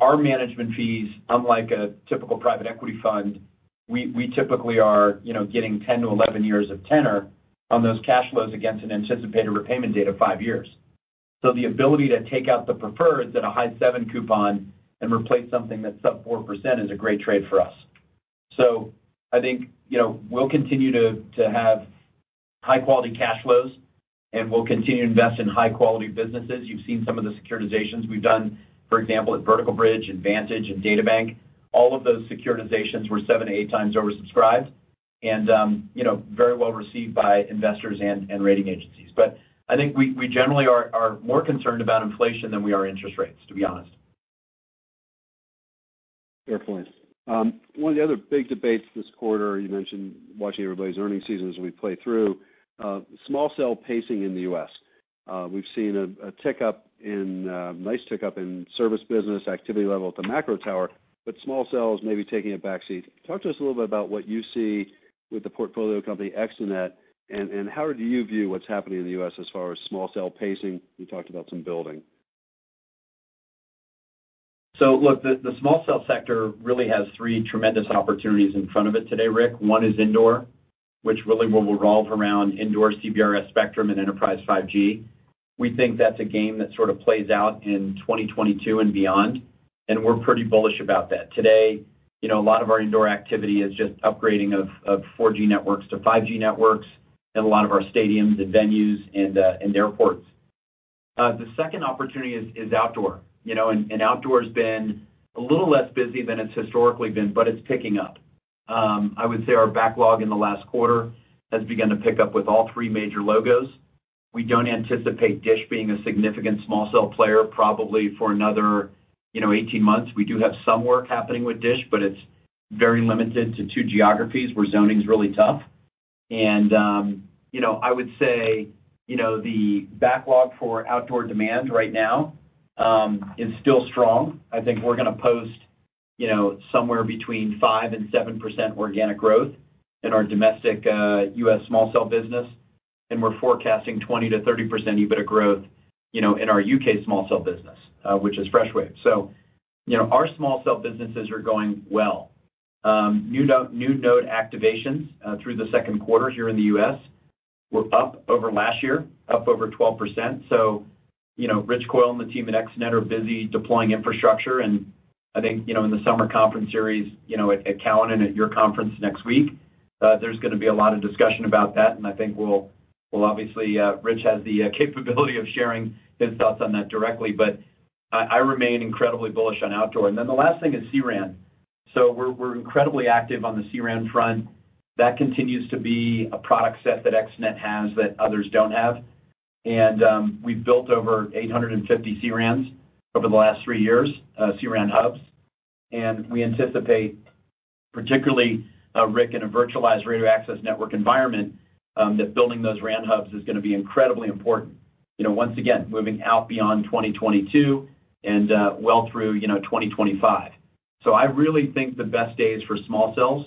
C: Our management fees, unlike a typical private equity fund, we typically are getting 10 to 11 years of tenor on those cash flows against an anticipated repayment date of five years. The ability to take out the preferreds at a high seven coupon and replace something that's sub 4% is a great trade for us. I think we'll continue to have high-quality cash flows and we'll continue to invest in high-quality businesses. You've seen some of the securitizations we've done, for example, at Vertical Bridge, Vantage, and DataBank. All of those securitizations were seven to eight times oversubscribed and very well-received by investors and rating agencies. I think we generally are more concerned about inflation than we are interest rates, to be honest.
E: Fair point. One of the other big debates this quarter, you mentioned watching everybody's earnings season as we play through, small cell pacing in the U.S. We've seen a nice tick up in service business activity level at the macro tower, but small cell is maybe taking a back seat. Talk to us a little bit about what you see with the portfolio company, ExteNet, and how do you view what's happening in the U.S. as far as small cell pacing? We talked about some building.
C: Look, the small cell sector really has three tremendous opportunities in front of it today, Ric. One is indoor, which really will revolve around indoor CBRS spectrum and enterprise 5G. We think that's a game that sort of plays out in 2022 and beyond, we're pretty bullish about that. Today, a lot of our indoor activity is just upgrading of 4G networks to 5G networks in a lot of our stadiums and venues and airports. The second opportunity is outdoor. Outdoor's been a little less busy than it's historically been, it's picking up. I would say our backlog in the last quarter has begun to pick up with all three major logos. We don't anticipate DISH being a significant small cell player, probably for another 18 months. We do have some work happening with DISH, it's very limited to two geographies where zoning's really tough. I would say, the backlog for outdoor demand right now is still strong. I think we're going to post somewhere between 5%-7% organic growth in our domestic U.S. small cell business, and we're forecasting 20%-30% EBITDA growth, in our U.K. small cell business, which is Freshwave. Our small cell businesses are going well. New node activations through the second quarter here in the U.S. were up over last year, up over 12%. Rich Coyle and the team at ExteNet are busy deploying infrastructure, and I think, in the summer conference series, at Cowen and at your conference next week, there's going to be a lot of discussion about that, and I think Rich has the capability of sharing his thoughts on that directly, but I remain incredibly bullish on outdoor. The last thing is C-RAN. We're incredibly active on the C-RAN front. That continues to be a product set that ExteNet has that others don't have. We've built over 850 C-RANs over the last three years, C-RAN hubs. We anticipate, particularly, Ric, in a virtualized radio access network environment, that building those RAN hubs is going to be incredibly important. Once again, moving out beyond 2022 and well through 2025. I really think the best days for small cells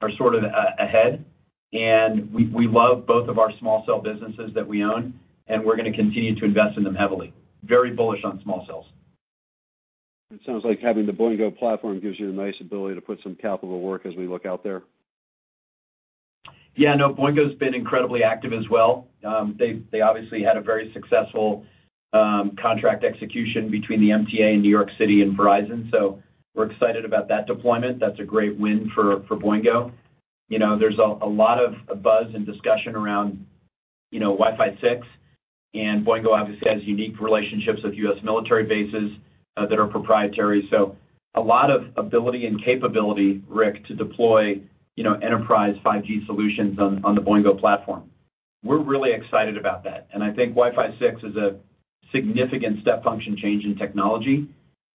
C: are sort of ahead. We love both of our small cell businesses that we own, and we're going to continue to invest in them heavily. Very bullish on small cells.
E: It sounds like having the Boingo platform gives you a nice ability to put some capital to work as we look out there.
C: Yeah, no, Boingo has been incredibly active as well. They obviously had a very successful contract execution between the Metropolitan Transportation Authority in New York City and Verizon. We are excited about that deployment. That is a great win for Boingo. There is a lot of buzz and discussion around Wi-Fi 6, and Boingo obviously has unique relationships with U.S. military bases that are proprietary. A lot of ability and capability, Ric, to deploy enterprise 5G solutions on the Boingo platform. We are really excited about that, and I think Wi-Fi 6 is a significant step function change in technology,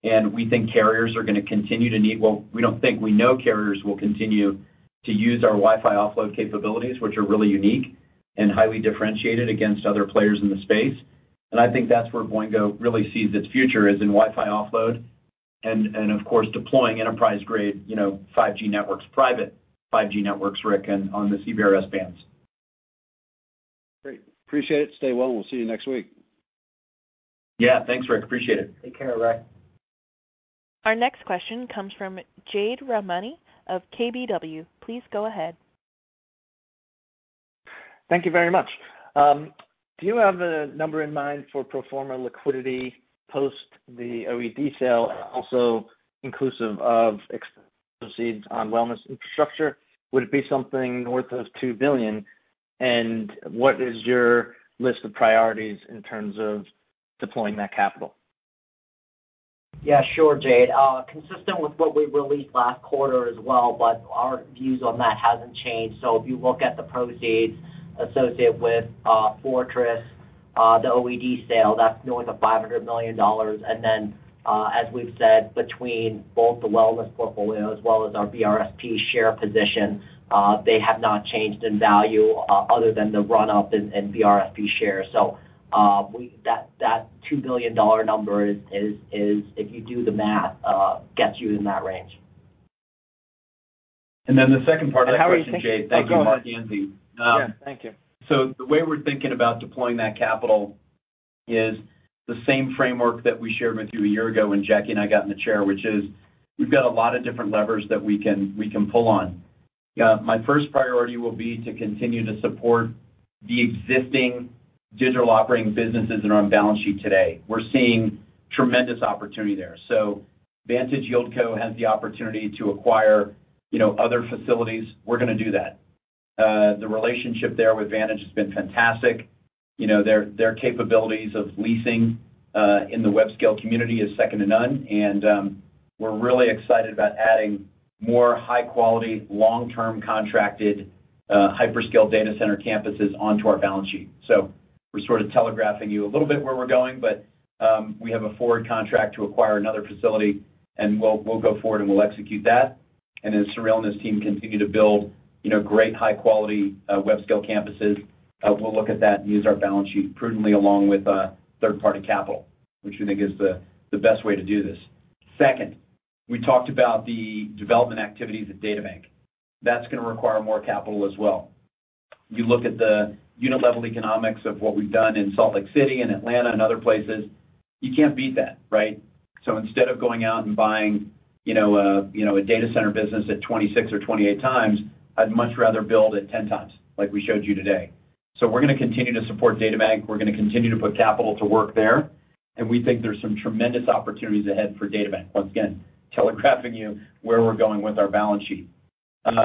C: and we think carriers are going to continue to need. Well, we don't think, we know carriers will continue to use our Wi-Fi offload capabilities, which are really unique and highly differentiated against other players in the space. I think that's where Boingo really sees its future is in Wi-Fi offload and of course, deploying enterprise-grade 5G networks, private 5G networks, Ric, and on the CBRS bands.
E: Great. Appreciate it. Stay well. We'll see you next week.
C: Yeah. Thanks, Ric. Appreciate it.
D: Take care, Ric.
A: Our next question comes from Jade Rahmani of KBW. Please go ahead.
F: Thank you very much. Do you have a number in mind for pro forma liquidity post the OED sale, also inclusive of proceeds on wellness infrastructure? Would it be something north of $2 billion? What is your list of priorities in terms of deploying that capital?
D: Yeah, sure, Jade. Consistent with what we released last quarter as well, our views on that hasn't changed. If you look at the proceeds associated with Fortress, the OED sale, that's north of $500 million. As we've said, between both the wellness portfolio as well as our BRSP share position, they have not changed in value other than the run-up in BRSP shares. That $2 billion number is, if you do the math, gets you in that range.
C: The second part of that question, Jade-
F: How are you thinking. Oh, go ahead.
C: Thank you, Marc Ganzi.
F: Yeah. Thank you.
C: The way we're thinking about deploying that capital is the same framework that we shared with you a year ago when Jacky and I got in the chair, which is we've got a lot of different levers that we can pull on. My first priority will be to continue to support the existing digital operating businesses in our own balance sheet today. We're seeing tremendous opportunity there. Vantage YieldCo has the opportunity to acquire other facilities. We're going to do that. The relationship there with Vantage has been fantastic. Their capabilities of leasing in the web scale community is second to none, and we're really excited about adding more high-quality, long-term contracted hyperscale data center campuses onto our balance sheet. We're sort of telegraphing you a little bit where we're going, but we have a forward contract to acquire another facility, and we'll go forward and we'll execute that. As Sureel and his team continue to build great high-quality web scale campuses, we'll look at that and use our balance sheet prudently along with third-party capital, which we think is the best way to do this. Second, we talked about the development activities at DataBank. That's going to require more capital as well. You look at the unit-level economics of what we've done in Salt Lake City and Atlanta and other places, you can't beat that, right? Instead of going out and buying a data center business at 26 times or 28 times, I'd much rather build at 10 times, like we showed you today. We're going to continue to support DataBank. We're going to continue to put capital to work there. We think there's some tremendous opportunities ahead for DataBank. Once again, telegraphing you where we're going with our balance sheet. I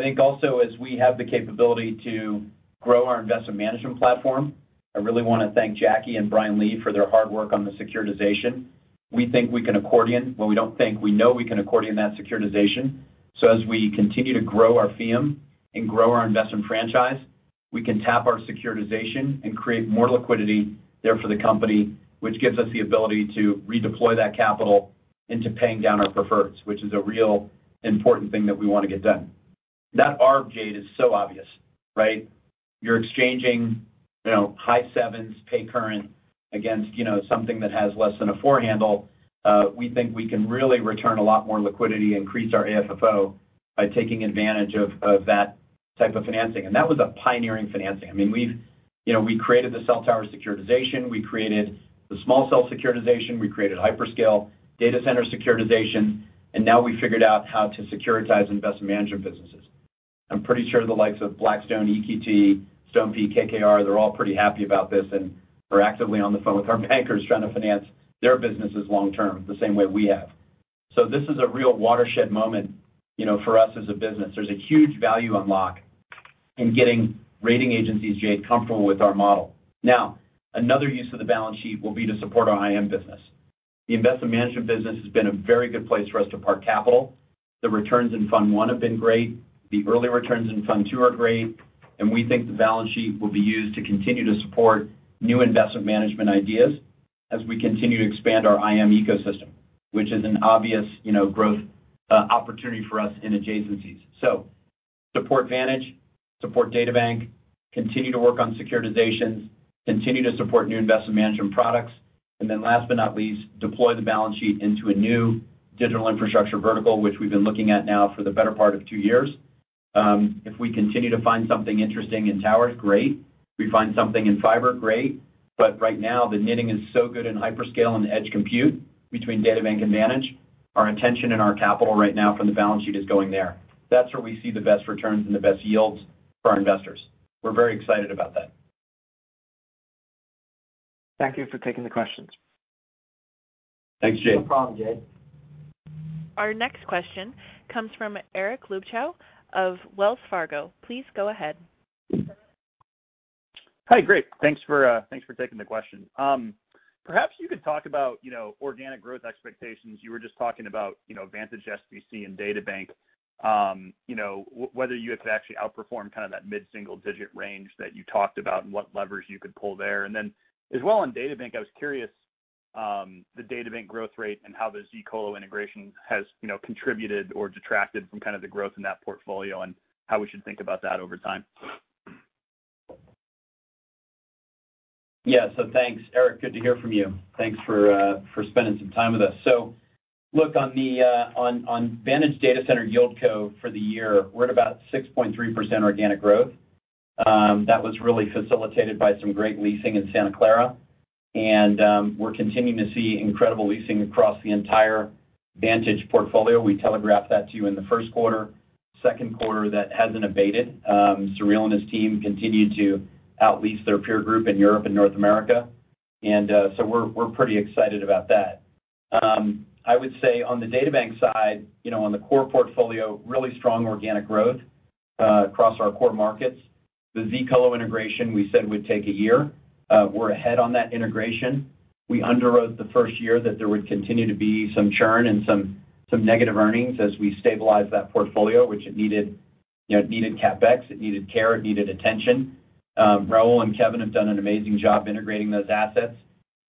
C: think also as we have the capability to grow our investment management platform, I really want to thank Jacky and Brian Lee for their hard work on the securitization. We think we can accordion. Well, we don't think, we know we can accordion that securitization. As we continue to grow our FEEUM and grow our investment franchise, we can tap our securitization and create more liquidity there for the company, which gives us the ability to redeploy that capital into paying down our preferreds, which is a real important thing that we want to get done. That arb, Jade, is so obvious, right? You're exchanging high sevens pay current against something that has less than a four handle. We think we can really return a lot more liquidity, increase our AFFO by taking advantage of that type of financing. That was a pioneering financing. We created the cell tower securitization. We created the small cell securitization. We created hyperscale data center securitization. Now we figured out how to securitize investment management businesses. I'm pretty sure the likes of Blackstone, EQT, Stonepeak, KKR, they're all pretty happy about this and are actively on the phone with our bankers trying to finance their businesses long term, the same way we have. This is a real watershed moment for us as a business. There's a huge value unlock in getting rating agencies, Jade, comfortable with our model. Now, another use of the balance sheet will be to support our IM business. The investment management business has been a very good place for us to park capital. The returns in Fund I have been great. The early returns in Fund II are great. We think the balance sheet will be used to continue to support new investment management ideas as we continue to expand our IM ecosystem, which is an obvious growth opportunity for us in adjacencies. Support Vantage, support DataBank, continue to work on securitizations, continue to support new investment management products, and then last but not least, deploy the balance sheet into a new digital infrastructure vertical, which we've been looking at now for the better part of two years. If we continue to find something interesting in towers, great. If we find something in fiber, great. Right now, the knitting is so good in hyperscale and edge compute between DataBank and Vantage. Our intention and our capital right now from the balance sheet is going there. That's where we see the best returns and the best yields for our investors. We're very excited about that.
F: Thank you for taking the questions.
C: Thanks, Jade.
D: No problem, Jade.
A: Our next question comes from Eric Luebchow of Wells Fargo. Please go ahead.
G: Hi. Great. Thanks for taking the question. Perhaps you could talk about organic growth expectations. You were just talking about Vantage SDC and DataBank, whether you could actually outperform kind of that mid-single-digit range that you talked about and what levers you could pull there. As well on DataBank, I was curious the DataBank growth rate and how the zColo integration has contributed or detracted from kind of the growth in that portfolio and how we should think about that over time.
C: Yeah. Thanks, Eric. Good to hear from you. Thanks for spending some time with us. Look, on Vantage Data Center YieldCo for the year, we're at about 6.3% organic growth. That was really facilitated by some great leasing in Santa Clara. We're continuing to see incredible leasing across the entire Vantage portfolio. We telegraphed that to you in the first quarter. Second quarter, that hasn't abated. Sureel and his team continue to out-lease their peer group in Europe and North America. We're pretty excited about that. I would say on the DataBank side, on the core portfolio, really strong organic growth across our core markets. The zColo integration we said would take a year. We're ahead on that integration. We underwrote the first year that there would continue to be some churn and some negative earnings as we stabilize that portfolio, which it needed CapEx, it needed care, it needed attention. Raul and Kevin have done an amazing job integrating those assets,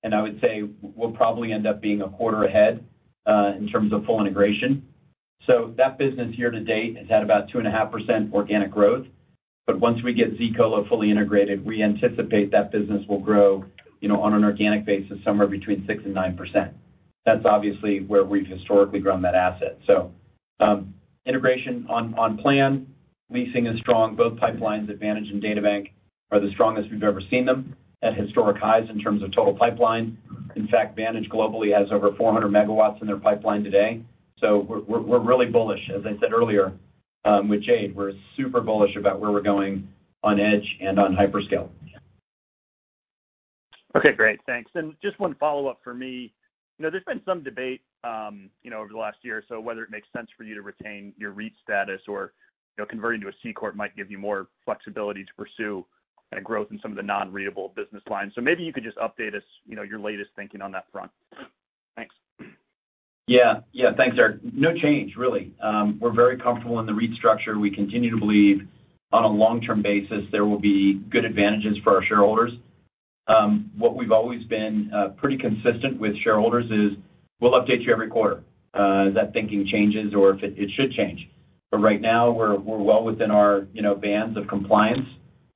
C: and I would say we'll probably end up being a quarter ahead, in terms of full integration. That business year to date has had about 2.5% organic growth. Once we get zColo fully integrated, we anticipate that business will grow on an organic basis somewhere between 6% and 9%. That's obviously where we've historically grown that asset. Integration on plan. Leasing is strong. Both pipelines at Vantage and DataBank are the strongest we've ever seen them, at historic highs in terms of total pipeline. In fact, Vantage globally has over 400 MW in their pipeline today. We're really bullish. As I said earlier with Jade, we're super bullish about where we're going on edge and on hyperscale.
G: Okay, great. Thanks. Just one follow-up for me. There's been some debate over the last year or so whether it makes sense for you to retain your REIT status or converting to a C-corp might give you more flexibility to pursue growth in some of the non-REITable business lines. Maybe you could just update us your latest thinking on that front. Thanks.
C: Thanks, Eric. No change, really. We're very comfortable in the REIT structure. We continue to believe on a long-term basis there will be good advantages for our shareholders. What we've always been pretty consistent with shareholders is we'll update you every quarter if that thinking changes or if it should change. Right now, we're well within our bands of compliance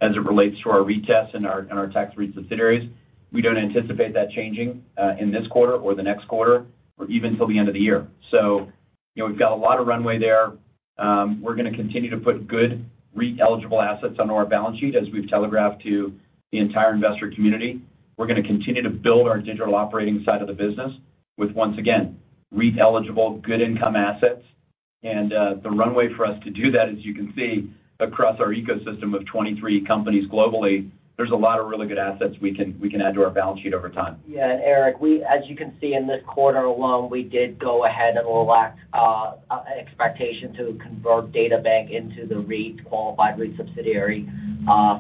C: as it relates to our REIT tests and our tax REIT subsidiaries. We don't anticipate that changing in this quarter or the next quarter or even till the end of the year. We've got a lot of runway there. We're going to continue to put good REIT-eligible assets onto our balance sheet, as we've telegraphed to the entire investor community. We're going to continue to build our digital operating side of the business with, once again, REIT-eligible, good income assets. The runway for us to do that, as you can see across our ecosystem of 23 companies globally, there's a lot of really good assets we can add to our balance sheet over time.
D: Yeah. Eric, as you can see in this quarter alone, we did go ahead and expectation to convert DataBank into the REIT qualified REIT subsidiary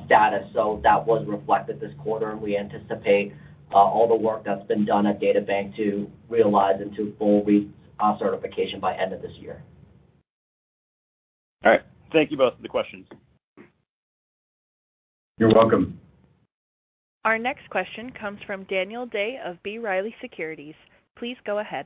D: status. That was reflected this quarter, and we anticipate all the work that's been done at DataBank to realize into full REIT certification by end of this year.
G: All right. Thank you both for the questions.
C: You're welcome.
A: Our next question comes from Daniel Day of B. Riley Securities. Please go ahead.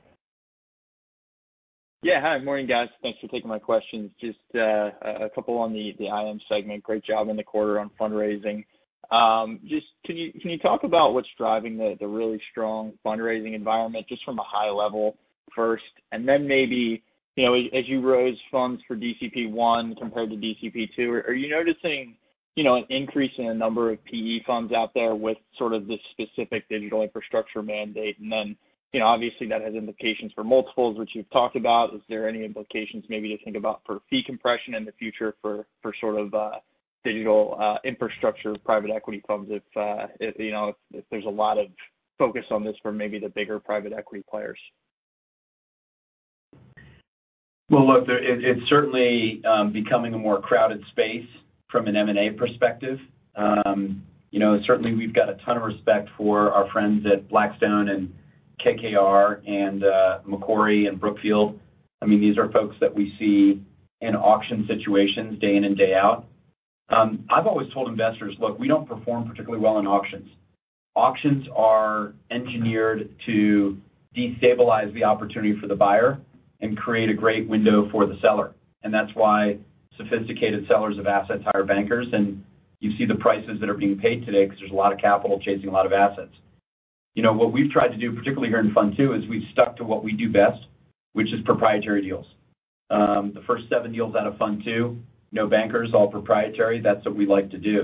H: Yeah. Hi. Morning, guys. Thanks for taking my questions. Just two on the IM segment. Great job in the quarter on fundraising. Can you talk about what's driving the really strong fundraising environment just from a high level first? Maybe as you raise funds for DCP I compared to DCP II, are you noticing an increase in the number of PE funds out there with sort of this specific digital infrastructure mandate? Obviously that has implications for multiples, which you've talked about. Is there any implications maybe to think about for fee compression in the future for sort of digital infrastructure private equity clubs, if there's a lot of focus on this for maybe the bigger private equity players?
C: Well, look, it is certainly becoming a more crowded space from an M&A perspective. Certainly, we have got a ton of respect for our friends at Blackstone and KKR and Macquarie and Brookfield. These are folks that we see in auction situations day in and day out. I have always told investors, look, we do not perform particularly well in auctions. Auctions are engineered to destabilize the opportunity for the buyer and create a great window for the seller. That is why sophisticated sellers of assets hire bankers. You see the prices that are being paid today because there is a lot of capital chasing a lot of assets. What we have tried to do, particularly here in Fund II, is we have stuck to what we do best, which is proprietary deals. The first seven deals out of Fund II, no bankers, all proprietary. That is what we like to do.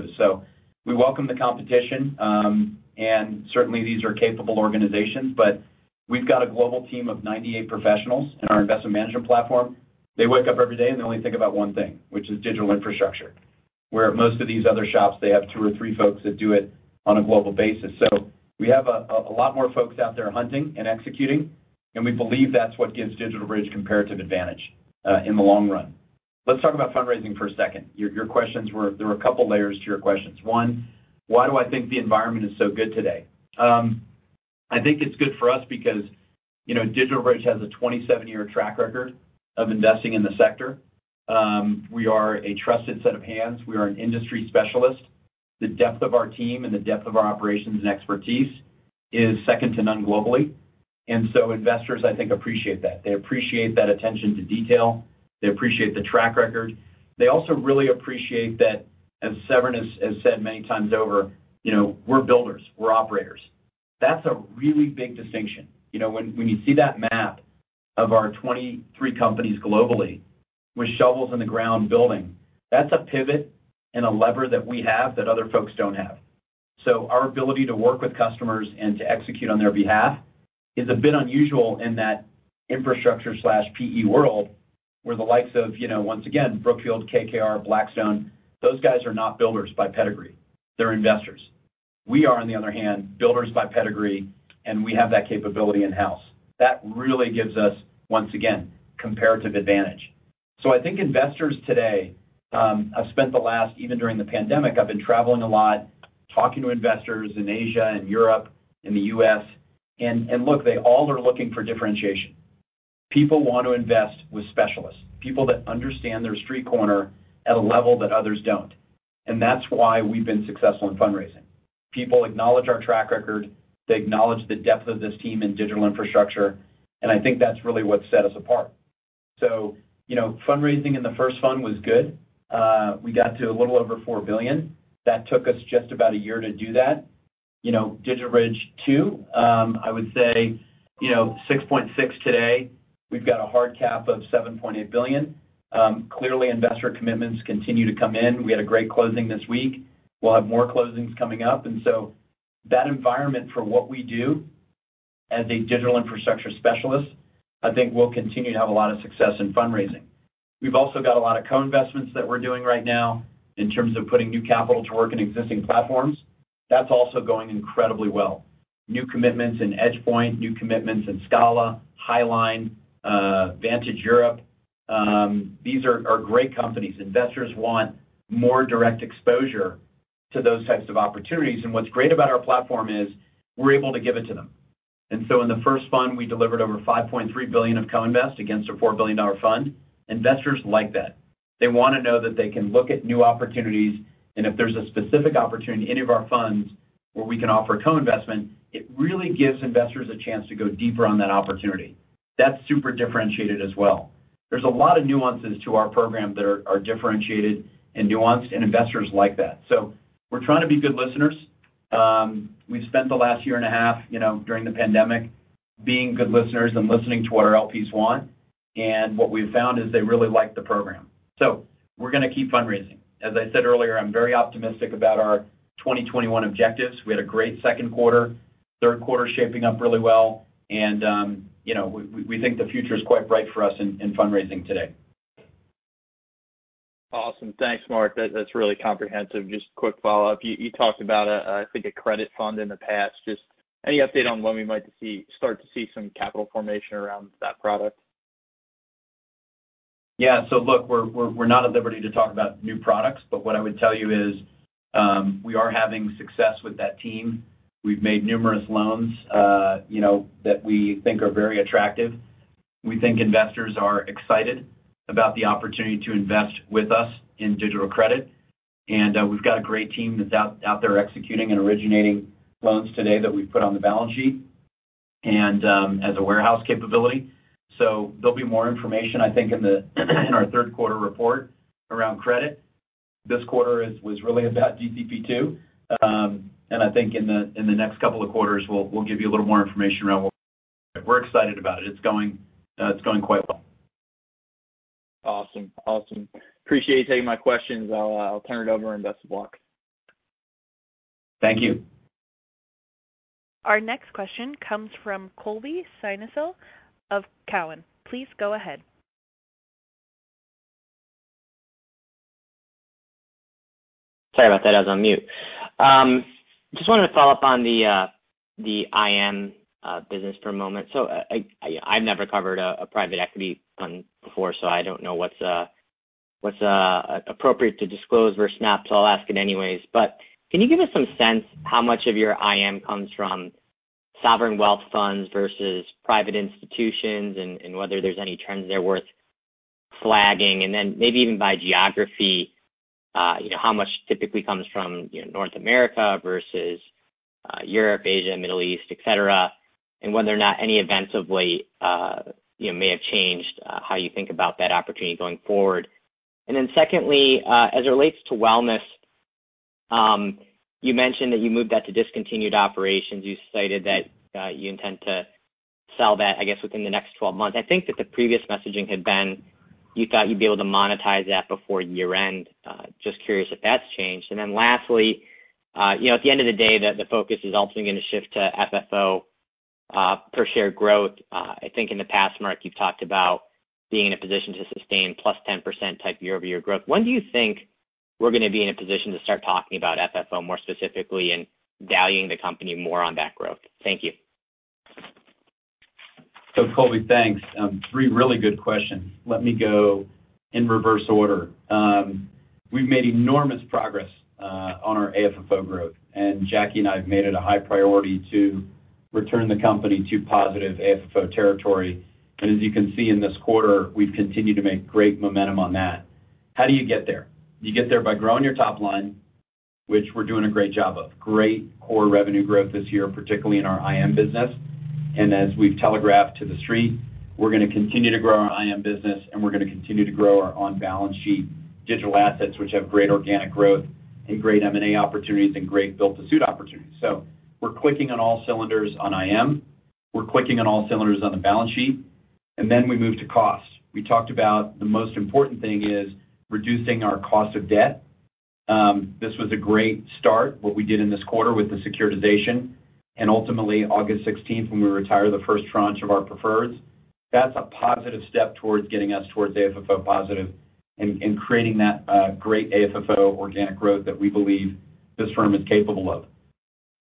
C: We welcome the competition, and certainly, these are capable organizations, but we've got a global team of 98 professionals in our investment management platform. They wake up every day, and they only think about one thing, which is digital infrastructure. Where at most of these other shops, they have two or three folks that do it on a global basis. We have a lot more folks out there hunting and executing, and we believe that's what gives DigitalBridge comparative advantage in the long run. Let's talk about fundraising for a second. There were a couple of layers to your questions. One, why do I think the environment is so good today? I think it's good for us because DigitalBridge has a 27-year track record of investing in the sector. We are a trusted set of hands. We are an industry specialist. The depth of our team and the depth of our operations and expertise is second to none globally. Investors, I think, appreciate that. They appreciate that attention to detail. They appreciate the track record. They also really appreciate that, as Severin has said many times over, we're builders, we're operators. That's a really big distinction. When you see that map of our 23 companies globally. With shovels in the ground building. That's a pivot and a lever that we have that other folks don't have. Our ability to work with customers and to execute on their behalf is a bit unusual in that infrastructure/PE world, where the likes of, once again, Brookfield, KKR, Blackstone, those guys are not builders by pedigree. They're investors. We are, on the other hand, builders by pedigree, and we have that capability in-house. That really gives us, once again, comparative advantage. I think investors today, I've spent the last, even during the pandemic, I've been traveling a lot, talking to investors in Asia and Europe, in the U.S. Look, they all are looking for differentiation. People want to invest with specialists, people that understand their street corner at a level that others don't. That's why we've been successful in fundraising. People acknowledge our track record. They acknowledge the depth of this team in digital infrastructure, and I think that's really what set us apart. Fundraising in the first fund was good. We got to a little over $4 billion. That took us just about a year to do that. DigitalBridge II, I would say, $6.6 billion today. We've got a hard cap of $7.8 billion. Clearly, investor commitments continue to come in. We had a great closing this week. We'll have more closings coming up. That environment for what we do as a digital infrastructure specialist, I think we'll continue to have a lot of success in fundraising. We've also got a lot of co-investments that we're doing right now in terms of putting new capital to work in existing platforms. That's also going incredibly well. New commitments in EdgePoint, new commitments in Scala, Highline, Vantage Europe. These are great companies. Investors want more direct exposure to those types of opportunities. What's great about our platform is we're able to give it to them. In the first fund, we delivered over $5.3 billion of co-invest against a $4 billion fund. Investors like that. They want to know that they can look at new opportunities, and if there's a specific opportunity in any of our funds where we can offer a co-investment, it really gives investors a chance to go deeper on that opportunity. That's super differentiated as well. There's a lot of nuances to our program that are differentiated and nuanced. Investors like that. We're trying to be good listeners. We've spent the last year and a half, during the pandemic, being good listeners and listening to what our LPs want. What we've found is they really like the program. We're going to keep fundraising. As I said earlier, I'm very optimistic about our 2021 objectives. We had a great second quarter, third quarter shaping up really well, and we think the future is quite bright for us in fundraising today.
H: Awesome. Thanks, Marc. That's really comprehensive. Just quick follow-up. You talked about, I think a credit fund in the past. Just any update on when we might start to see some capital formation around that product?
C: Yeah. Look, we're not at liberty to talk about new products, but what I would tell you is, we are having success with that team. We've made numerous loans that we think are very attractive. We think investors are excited about the opportunity to invest with us in digital credit. We've got a great team that's out there executing and originating loans today that we've put on the balance sheet, and as a warehouse capability. There'll be more information, I think, in our third quarter report around credit. This quarter was really about DCP II. I think in the next couple of quarters, we'll give you a little more information around. We're excited about it. It's going quite well.
H: Awesome. Appreciate you taking my questions. I'll turn it over and exit the block.
C: Thank you.
A: Our next question comes from Colby Synesael of Cowen. Please go ahead.
I: Sorry about that. I was on mute. Wanted to follow up on the IM business for a moment. I've never covered a private equity fund before, I don't know what's appropriate to disclose versus not, I'll ask it anyways. Can you give us some sense how much of your IM comes from sovereign wealth funds versus private institutions, and whether there's any trends there worth flagging? Maybe even by geography, how much typically comes from North America versus Europe, Asia, Middle East, et cetera, and whether or not any events of late may have changed how you think about that opportunity going forward. Secondly, as it relates to wellness, you mentioned that you moved that to discontinued operations. You stated that you intend to sell that, I guess, within the next 12 months. I think that the previous messaging had been you thought you'd be able to monetize that before year-end. Just curious if that's changed. Lastly, at the end of the day, the focus is also going to shift to FFO per share growth. I think in the past, Marc, you've talked about being in a position to sustain plus 10% type year-over-year growth. When do you think we're going to be in a position to start talking about FFO more specifically and valuing the company more on that growth? Thank you.
C: Colby, thanks. Three really good questions. Let me go in reverse order. We've made enormous progress on our AFFO growth. Jacky and I have made it a high priority to return the company to positive AFFO territory. As you can see in this quarter, we've continued to make great momentum on that. How do you get there? You get there by growing your top line, which we're doing a great job of. Great core revenue growth this year, particularly in our IM business. As we've telegraphed to the street, we're going to continue to grow our IM business, and we're going to continue to grow our on-balance sheet digital assets, which have great organic growth and great M&A opportunities and great built-to-suit opportunities. We're clicking on all cylinders on IM. We're clicking on all cylinders on the balance sheet. Then we move to cost. We talked about the most important thing is reducing our cost of debt. This was a great start, what we did in this quarter with the securitization, and ultimately August 16th, when we retire the first tranche of our preferreds. That's a positive step towards getting us towards AFFO positive and creating that great AFFO organic growth that we believe this firm is capable of.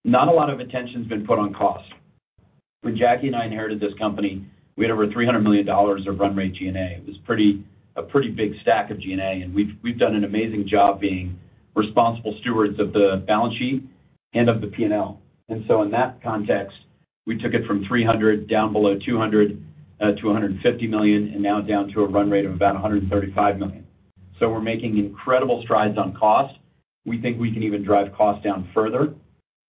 C: Not a lot of attention's been put on cost. When Jacky and I inherited this company, we had over $300 million of run rate G&A. It was a pretty big stack of G&A, and we've done an amazing job being responsible stewards of the balance sheet and of the P&L. In that context, we took it from $300 million down below $200 million to $150 million, and now down to a run rate of about $135 million. We're making incredible strides on cost. We think we can even drive cost down further.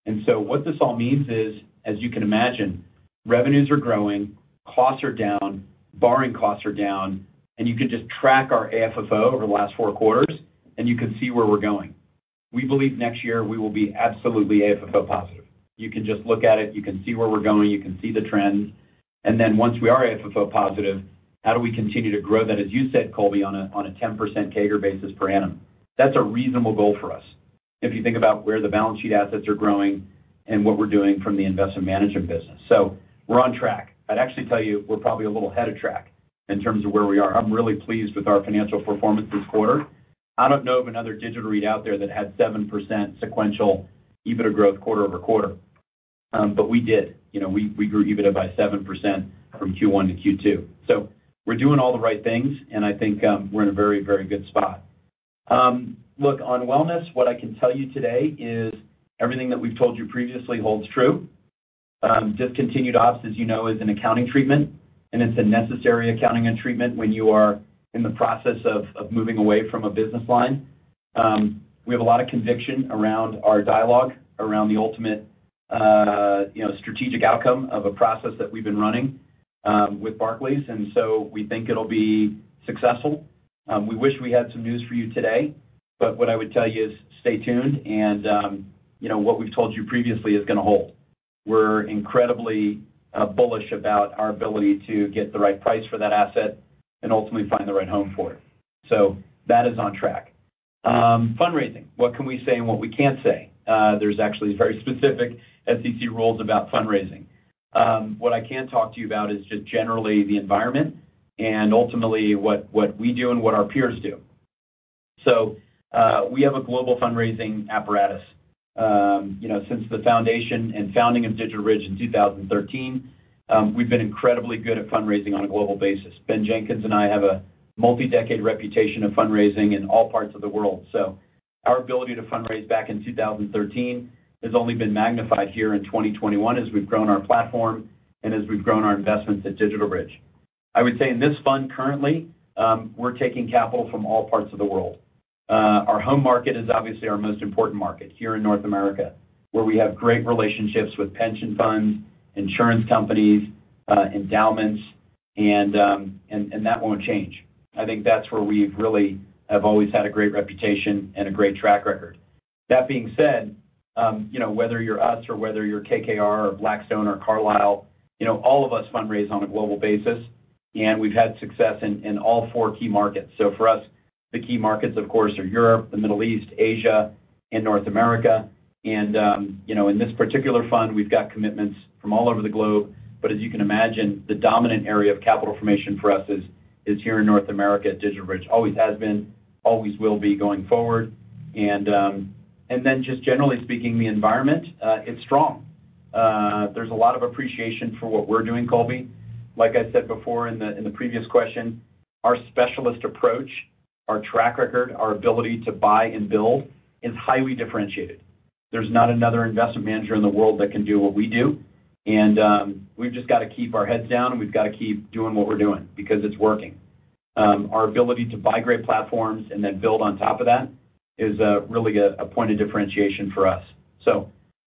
C: What this all means is, as you can imagine, revenues are growing, costs are down, borrowing costs are down, and you can just track our AFFO over the last four quarters, and you can see where we're going. We believe next year we will be absolutely AFFO positive. You can just look at it, you can see where we're going, you can see the trends. Once we are AFFO positive, how do we continue to grow that, as you said, Colby, on a 10% CAGR basis per annum? That's a reasonable goal for us. If you think about where the balance sheet assets are growing and what we're doing from the investment management business. We're on track. I'd actually tell you we're probably a little ahead of track in terms of where we are. I'm really pleased with our financial performance this quarter. I don't know of another digital REIT out there that had 7% sequential EBITDA growth quarter-over-quarter. We did. We grew EBITDA by 7% from Q1 to Q2. We're doing all the right things, and I think we're in a very good spot. Look, on wellness, what I can tell you today is everything that we've told you previously holds true. Discontinued ops, as you know, is an accounting treatment, and it's a necessary accounting and treatment when you are in the process of moving away from a business line. We have a lot of conviction around our dialogue, around the ultimate strategic outcome of a process that we've been running with Barclays. We think it'll be successful. We wish we had some news for you today, but what I would tell you is stay tuned, and what we've told you previously is going to hold. We're incredibly bullish about our ability to get the right price for that asset and ultimately find the right home for it. That is on track. Fundraising. What can we say and what we can't say? There's actually very specific SEC rules about fundraising. What I can talk to you about is just generally the environment and ultimately what we do and what our peers do. We have a global fundraising apparatus. Since the foundation and founding of DigitalBridge in 2013, we've been incredibly good at fundraising on a global basis. Ben Jenkins and I have a multi-decade reputation of fundraising in all parts of the world. Our ability to fundraise back in 2013 has only been magnified here in 2021 as we've grown our platform and as we've grown our investments at DigitalBridge. I would say in this fund currently, we're taking capital from all parts of the world. Our home market is obviously our most important market here in North America, where we have great relationships with pension funds, insurance companies, endowments, and that won't change. I think that's where we really have always had a great reputation and a great track record. That being said, whether you're us or whether you're KKR or Blackstone or Carlyle, all of us fundraise on a global basis, and we've had success in all four key markets. For us, the key markets, of course, are Europe, the Middle East, Asia, and North America. In this particular fund, we've got commitments from all over the globe. As you can imagine, the dominant area of capital formation for us is here in North America at DigitalBridge. Always has been, always will be going forward. Just generally speaking, the environment, it's strong. There's a lot of appreciation for what we're doing, Colby. Like I said before in the previous question, our specialist approach, our track record, our ability to buy and build is highly differentiated. There's not another investment manager in the world that can do what we do. We've just got to keep our heads down, and we've got to keep doing what we're doing because it's working. Our ability to buy great platforms and then build on top of that is really a point of differentiation for us.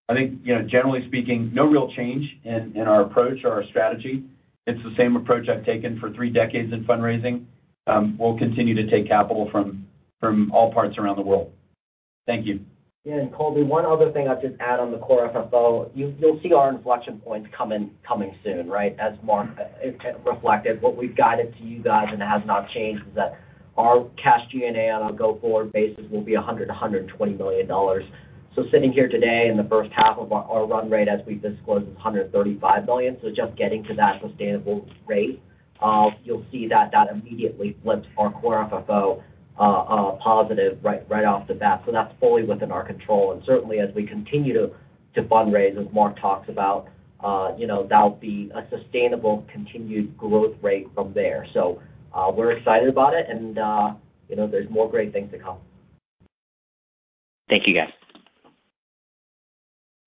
C: I think generally speaking, no real change in our approach or our strategy. It's the same approach I've taken for three decades in fundraising. We'll continue to take capital from all parts around the world. Thank you.
D: Colby Synesael, one other thing I'll just add on the core FFO. You'll see our inflection points coming soon, right? As Marc reflected, what we've guided to you guys and has not changed is that our cash G&A on a go-forward basis will be $100 million, $120 million. Sitting here today in the first half of our run rate as we've disclosed is $135 million. Just getting to that sustainable rate, you'll see that that immediately flips our core FFO positive right off the bat. That's fully within our control. Certainly as we continue to fundraise, as Marc talks about, that'll be a sustainable continued growth rate from there. We're excited about it and there's more great things to come.
C: Thank you, guys.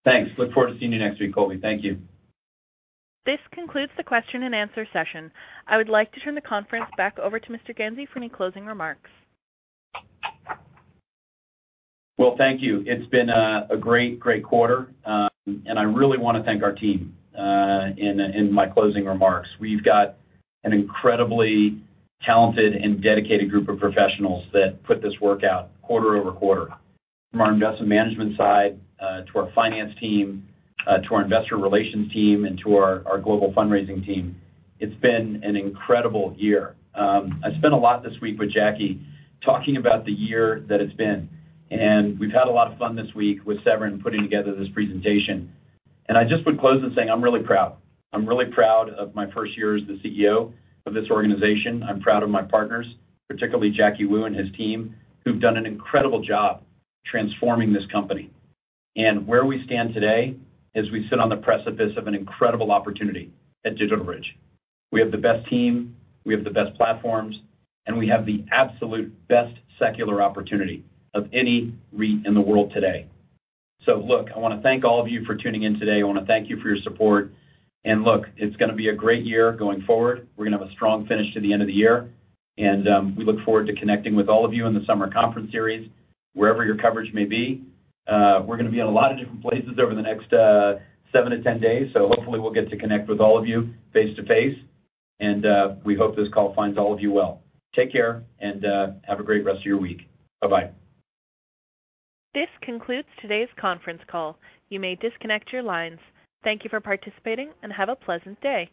C: Thanks. Look forward to seeing you next week, Colby. Thank you.
A: This concludes the question and answer session. I would like to turn the conference back over to Mr. Ganzi for any closing remarks.
C: Well, thank you. It's been a great quarter. I really want to thank our team in my closing remarks. We've got an incredibly talented and dedicated group of professionals that put this work out quarter over quarter. From our investment management side, to our finance team, to our investor relations team, and to our global fundraising team. It's been an incredible year. I spent a lot this week with Jacky talking about the year that it's been, and we've had a lot of fun this week with Severin putting together this presentation. I just would close in saying I'm really proud. I'm really proud of my first year as the CEO of this organization. I'm proud of my partners, particularly Jacky Wu and his team, who've done an incredible job transforming this company. Where we stand today as we sit on the precipice of an incredible opportunity at DigitalBridge. We have the best team, we have the best platforms, and we have the absolute best secular opportunity of any REIT in the world today. Look, I want to thank all of you for tuning in today. I want to thank you for your support. Look, it's going to be a great year going forward. We're going to have a strong finish to the end of the year. We look forward to connecting with all of you in the summer conference series, wherever your coverage may be. We're going to be in a lot of different places over the next 7 to 10 days. Hopefully we'll get to connect with all of you face-to-face. We hope this call finds all of you well. Take care and have a great rest of your week. Bye-bye.
A: This concludes today's conference call. You may disconnect your lines. Thank you for participating and have a pleasant day.